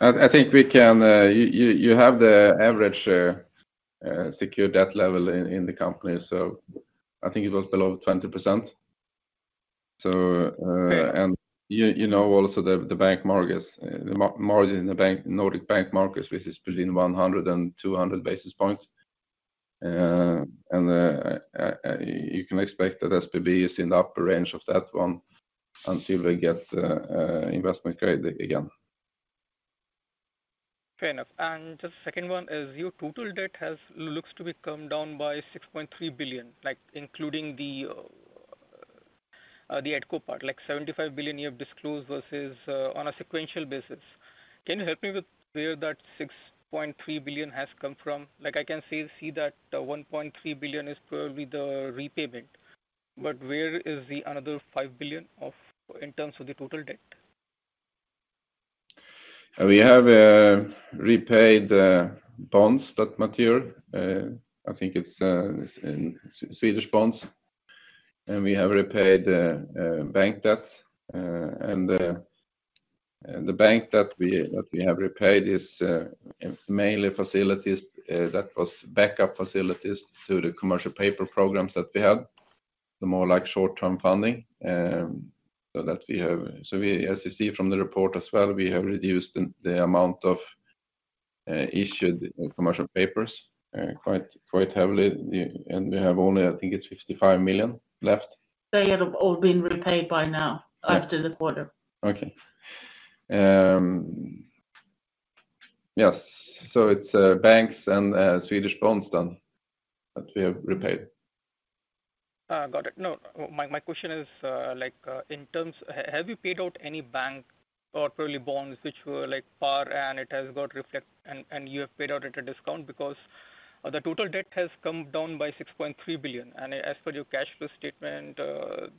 I think we can, you have the average secured debt level in the company, so I think it was below 20%. So, Okay. and you know also the bank margins, the margin in the bank, Nordic bank margins, which is between 100 and 200 basis points. And you can expect that SBB is in the upper range of that one until we get investment grade again. Fair enough. And just the second one is your total debt has looks to be come down by 6.3 billion, like including the, the EduCo part, like 75 billion you have disclosed versus, on a sequential basis. Can you help me with where that 6.3 billion has come from? Like, I can see that 1.3 billion is probably the repayment, but where is the other 5 billion in terms of the total debt? We have repaid bonds that mature. I think it's in Swedish bonds, and we have repaid bank debts. The bank that we have repaid is mainly facilities that was backup facilities to the commercial paper programs that we had, the more like short-term funding. So, as you see from the report as well, we have reduced the amount of issued commercial papers quite heavily, and we have only, I think it's 55 million left. They have all been repaid by now. Yes. after the quarter. Okay. Yes. So it's banks and Swedish bonds then, that we have repaid. Got it. No, my question is, like, in terms... Have you paid out any bank or probably bonds which were like par, and it has got reflect, and you have paid out at a discount? Because the total debt has come down by 6.3 billion, and as per your cash flow statement,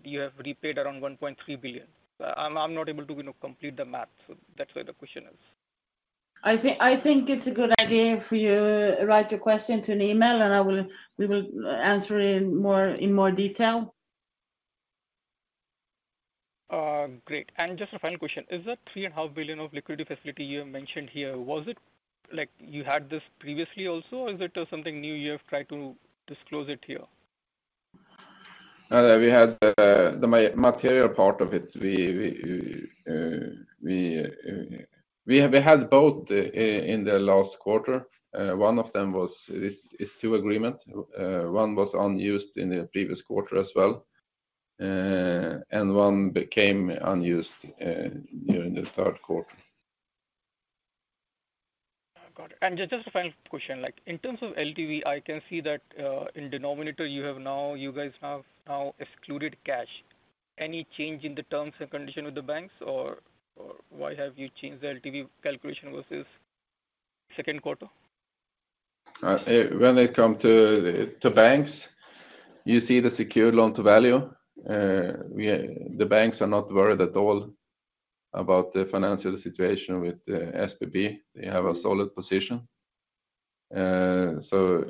you have repaid around 1.3 billion. I'm not able to, you know, complete the math, so that's why the question is. I think it's a good idea if you write your question to an email, and we will answer in more detail. Great. And just a final question: is that 3.5 billion of liquidity facility you mentioned here, was it like you had this previously also, or is it something new you have tried to disclose it here? We had the material part of it. We have had both in the last quarter. One of them is two agreements. One was unused in the previous quarter as well, and one became unused during the third quarter. Got it. And just, just a final question, like, in terms of LTV, I can see that, in denominator, you have now—you guys have now excluded cash. Any change in the terms and conditions with the banks, or, or why have you changed the LTV calculation versus second quarter? When it comes to banks, you see the secured loan-to-value. The banks are not worried at all about the financial situation with the SBB. They have a solid position. So,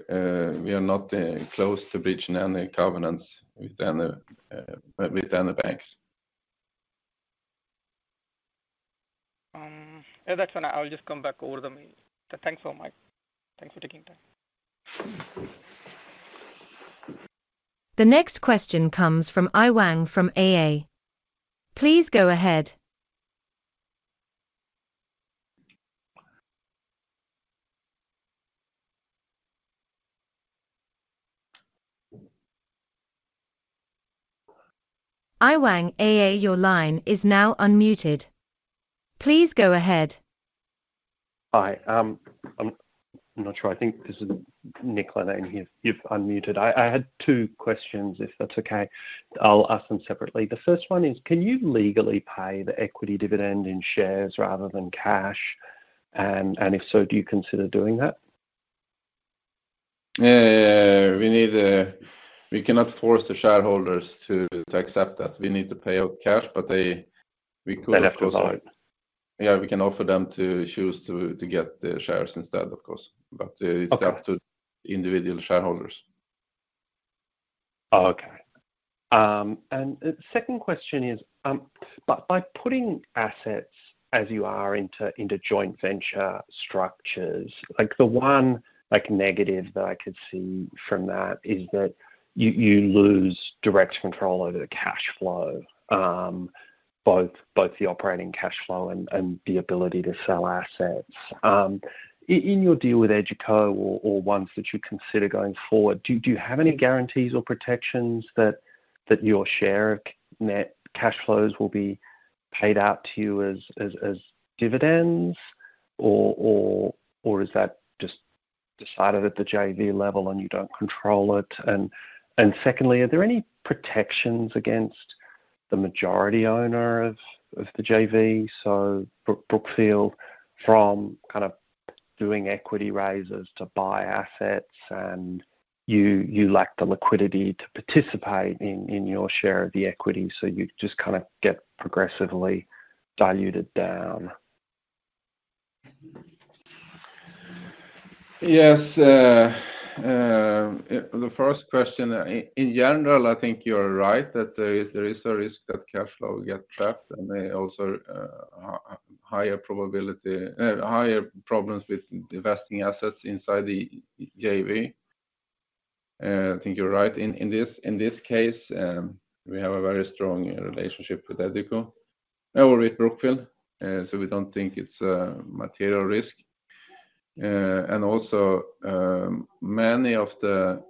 we are not close to breaching any covenants with any banks. Yeah, that's when I will just come back over the main. Thanks for my... Thanks for taking time.... The next question comes from Iwang from AA. Please go ahead. Iwang AA, your line is now unmuted. Please go ahead. Hi, I'm not sure. I think this is Nick Linnane here. You've unmuted. I had two questions, if that's okay. I'll ask them separately. The first one is, can you legally pay the equity dividend in shares rather than cash? And if so, do you consider doing that? We cannot force the shareholders to accept that. We need to pay out cash, but they, we could- They'll have to buy. Yeah, we can offer them to choose to get the shares instead, of course, but- Okay. It's up to individual shareholders. Okay. And the second question is, but by putting assets as you are into joint venture structures, like the one, like, negative that I could see from that is that you lose direct control over the cash flow, both the operating cash flow and the ability to sell assets. In your deal with EduCo or ones that you consider going forward, do you have any guarantees or protections that your share of net cash flows will be paid out to you as dividends? Or is that just decided at the JV level and you don't control it? Secondly, are there any protections against the majority owner of the JV, so Brookfield, from kind of doing equity raises to buy assets and you lack the liquidity to participate in your share of the equity, so you just kind of get progressively diluted down? Yes, the first question, in general, I think you're right, that there is a risk that cash flow will get trapped and there are also higher probability, higher problems with divesting assets inside the JV. I think you're right. In this case, we have a very strong relationship with EduCo or with Brookfield, so we don't think it's a material risk. And also, many of the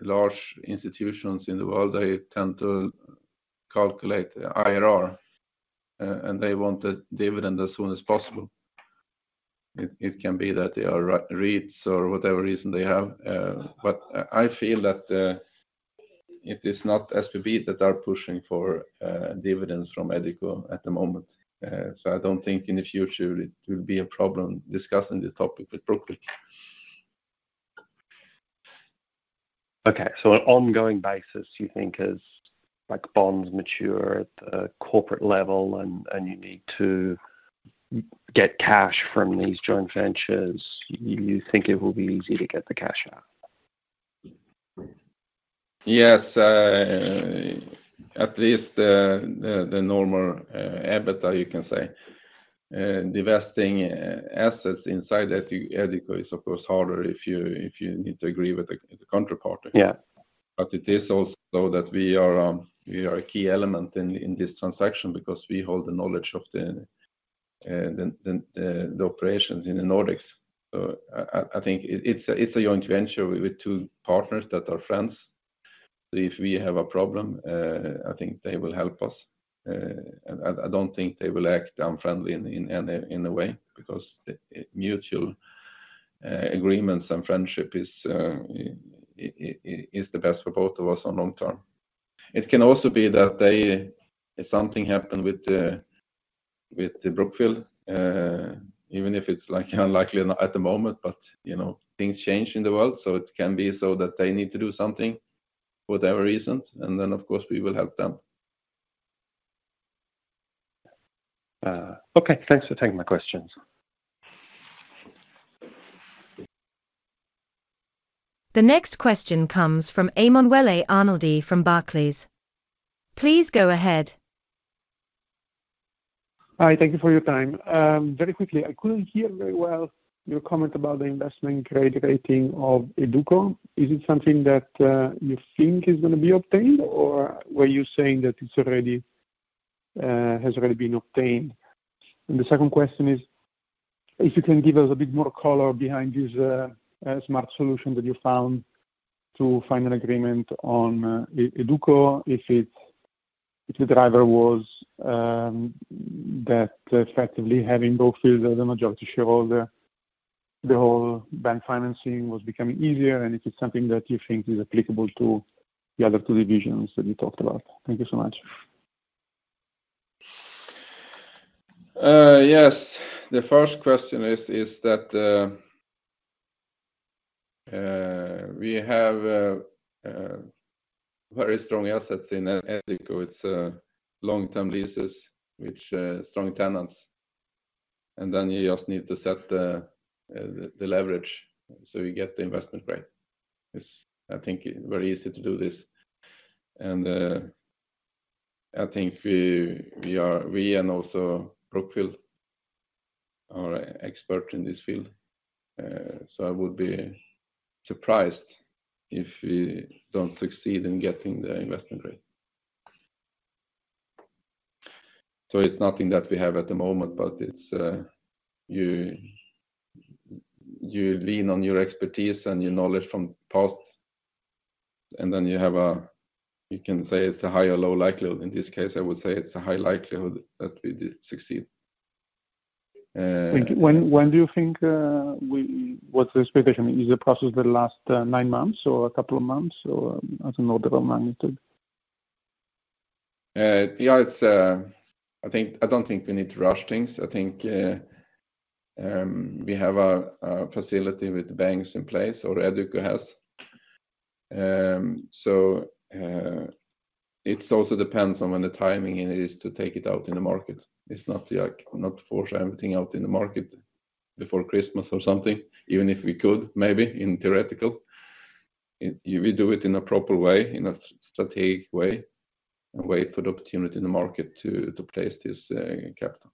large institutions in the world, they tend to calculate IRR, and they want the dividend as soon as possible. It can be that they are REITs or whatever reason they have, but I feel that it is not SBB that are pushing for dividends from EduCo at the moment. So, I don't think in the future it will be a problem discussing this topic with Brookfield. Okay. So an ongoing basis, you think as like bonds mature at the corporate level and you need to get cash from these joint ventures, you think it will be easy to get the cash out? Yes, at least the normal EBITDA, you can say. Divesting assets inside EduCo is, of course, harder if you need to agree with the counterparty. Yeah. But it is also that we are a key element in this transaction because we hold the knowledge of the operations in the Nordics. So I think it's a joint venture with two partners that are friends. So if we have a problem, I think they will help us. I don't think they will act unfriendly in any way, because mutual agreements and friendship is the best for both of us on long term. It can also be that they... If something happened with the Brookfield, even if it's like unlikely at the moment, but you know, things change in the world, so it can be so that they need to do something for whatever reasons, and then, of course, we will help them. Okay. Thanks for taking my questions. The next question comes from Emanuele Arnoldi from Barclays. Please go ahead. Hi, thank you for your time. Very quickly, I couldn't hear very well your comment about the investment grade rating of EduCo. Is it something that you think is gonna be obtained, or were you saying that it's already has already been obtained? The second question is, if you can give us a bit more color behind this smart solution that you found to find an agreement on EduCo, if it, if the driver was that effectively having Brookfield as a majority shareholder, the whole bank financing was becoming easier, and is it something that you think is applicable to the other two divisions that you talked about? Thank you so much. Yes. The first question is, we have a very strong assets in EduCo. It's long-term leases with strong tenants, and then you just need to set the leverage, so you get the investment right. It's, I think, very easy to do this. And I think we, we are—we and also Brookfield—are expert in this field. So I would be surprised if we don't succeed in getting the investment right. So it's nothing that we have at the moment, but it's you, you lean on your expertise and your knowledge from the past, and then you have a—you can say it's a high or low likelihood. In this case, I would say it's a high likelihood that we did succeed. When do you think, what's the expectation? Is the process that last nine months or a couple of months, or as an order of magnitude? Yeah, it's, I think, I don't think we need to rush things. I think, we have a facility with the banks in place or EduCo has. So, it also depends on when the timing is to take it out in the market. It's not like, not to force everything out in the market before Christmas or something, even if we could, maybe in theory. We do it in a proper way, in a strategic way, a way for the opportunity in the market to place this capital.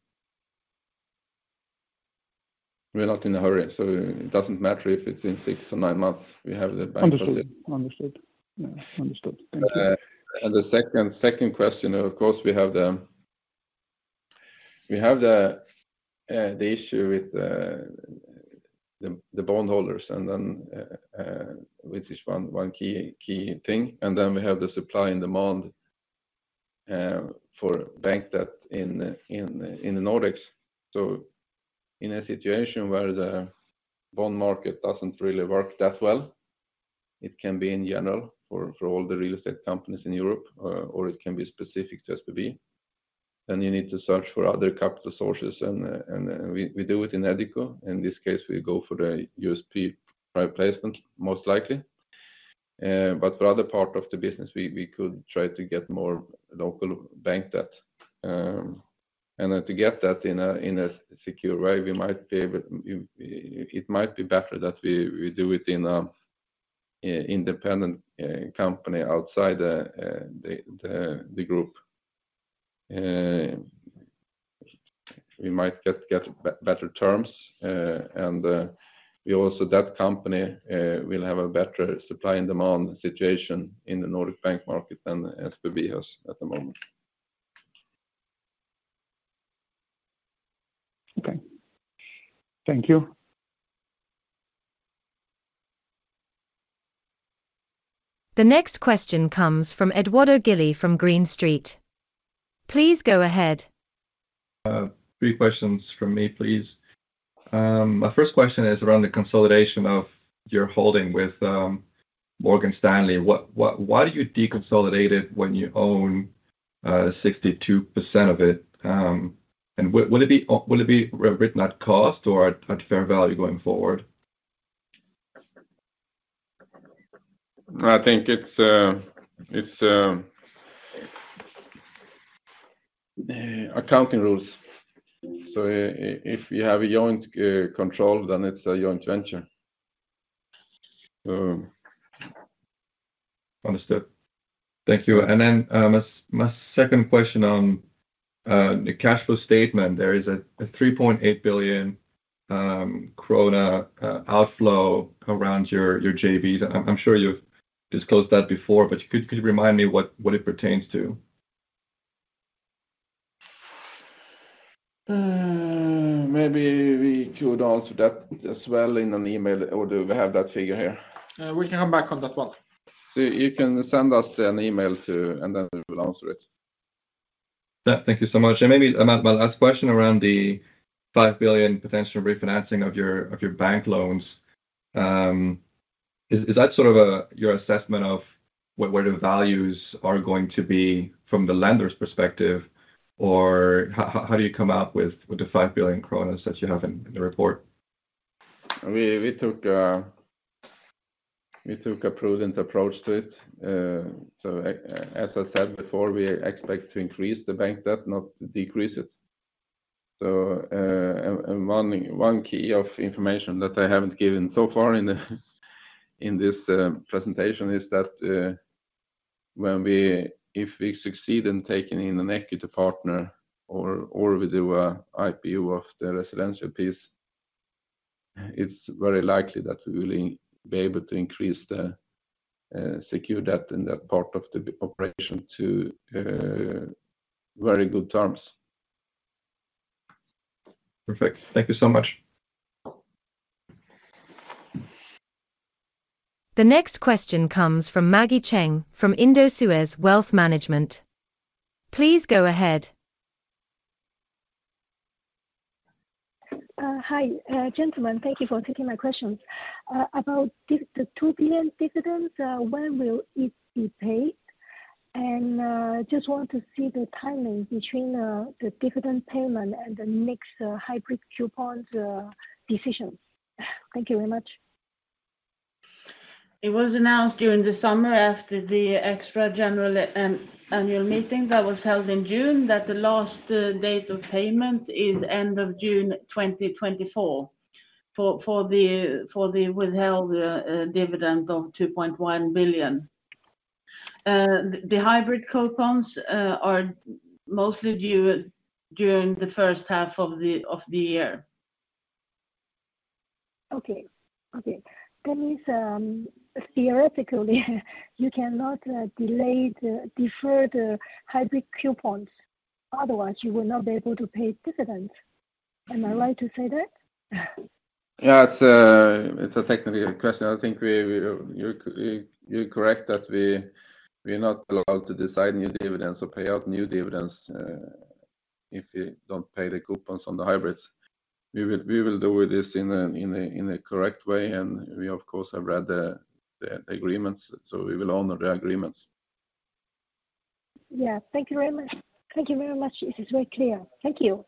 We're not in a hurry, so it doesn't matter if it's in six or nine months. We have the bank- Understood. Understood. Yeah, understood. Thank you. And the second question, of course, we have the issue with the bondholders, and then, which is one key thing, and then we have the supply and demand for bank debt in the Nordics. So in a situation where the bond market doesn't really work that well, it can be in general for all the real estate companies in Europe, or it can be specific to SBB, then you need to search for other capital sources, and we do it in EduCo. In this case, we go for the U.S. private placement, most likely. But for other part of the business, we could try to get more local bank debt. To get that in a secure way, it might be better that we do it in an independent company outside the group. We might get better terms, and that company will have a better supply and demand situation in the Nordic bank market than SPV has at the moment. Okay. Thank you. The next question comes from Edoardo Gili from Green Street. Please go ahead. Three questions from me, please. My first question is around the consolidation of your holding with Morgan Stanley. Why do you deconsolidate it when you own 62% of it? And will it be written at cost or at fair value going forward? I think it's accounting rules. So if you have a joint control, then it's a joint venture. Understood. Thank you. And then, my second question on the cash flow statement, there is a 3.8 billion krona outflow around your JV. I'm sure you've disclosed that before, but could you remind me what it pertains to? Maybe we could answer that as well in an email, or do we have that figure here? We can come back on that one. You can send us an email to, and then we will answer it. Yeah. Thank you so much. And maybe my last question around the 5 billion potential refinancing of your bank loans. Is that sort of your assessment of what, where the values are going to be from the lender's perspective? Or how do you come up with the 5 billion kronor that you have in the report? We took a prudent approach to it. So as I said before, we expect to increase the bank debt, not decrease it. So one key of information that I haven't given so far in this presentation is that if we succeed in taking in an equity partner or we do a IPO of the residential piece, it's very likely that we will be able to increase the secure debt in that part of the operation to very good terms. Perfect. Thank you so much. The next question comes from Maggie Cheng from Indosuez Wealth Management. Please go ahead. Hi, gentlemen. Thank you for taking my questions. About the 2 billion dividends, when will it be paid? Just want to see the timing between the dividend payment and the next hybrid coupons decision. Thank you very much. It was announced during the summer after the extra general annual meeting that was held in June, that the last date of payment is end of June 2024, for the withheld dividend of 2.1 billion. The hybrid coupons are mostly due during the first half of the year. Okay. Okay. That means, theoretically, you cannot delay defer the hybrid coupons, otherwise you will not be able to pay dividends. Am I right to say that? Yeah, it's a technical question. I think you're correct that we are not allowed to decide new dividends or pay out new dividends if we don't pay the coupons on the hybrids. We will do this in a correct way, and we of course have read the agreements, so we will honor the agreements. Yeah. Thank you very much. Thank you very much. This is very clear. Thank you.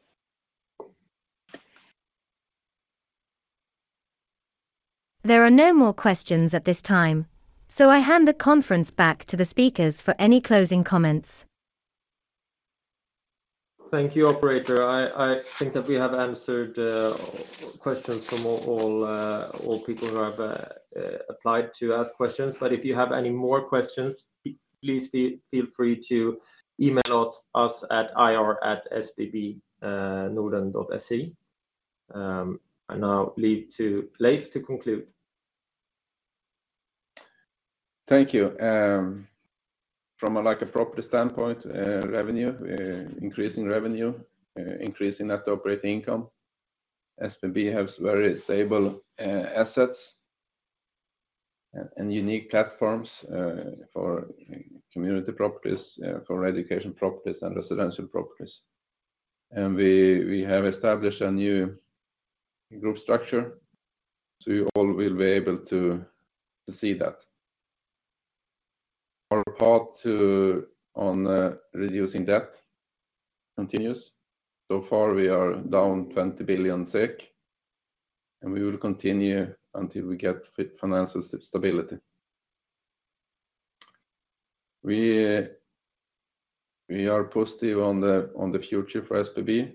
There are no more questions at this time, so I hand the conference back to the speakers for any closing comments. Thank you, operator. I think that we have answered questions from all people who have applied to ask questions, but if you have any more questions, please feel free to email us at ir@sbbnorden.se. I now leave to Leiv to conclude. Thank you. From a like a property standpoint, revenue, increasing revenue, increasing net operating income. SBB has very stable, assets and, and unique platforms, for community properties, for education properties, and residential properties. We, we have established a new group structure, so you all will be able to, to see that. Our path to, on, reducing debt continues. So far, we are down 20 billion SEK, and we will continue until we get financial stability. We, we are positive on the, on the future for SBB.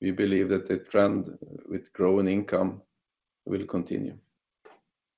We believe that the trend with growing income will continue.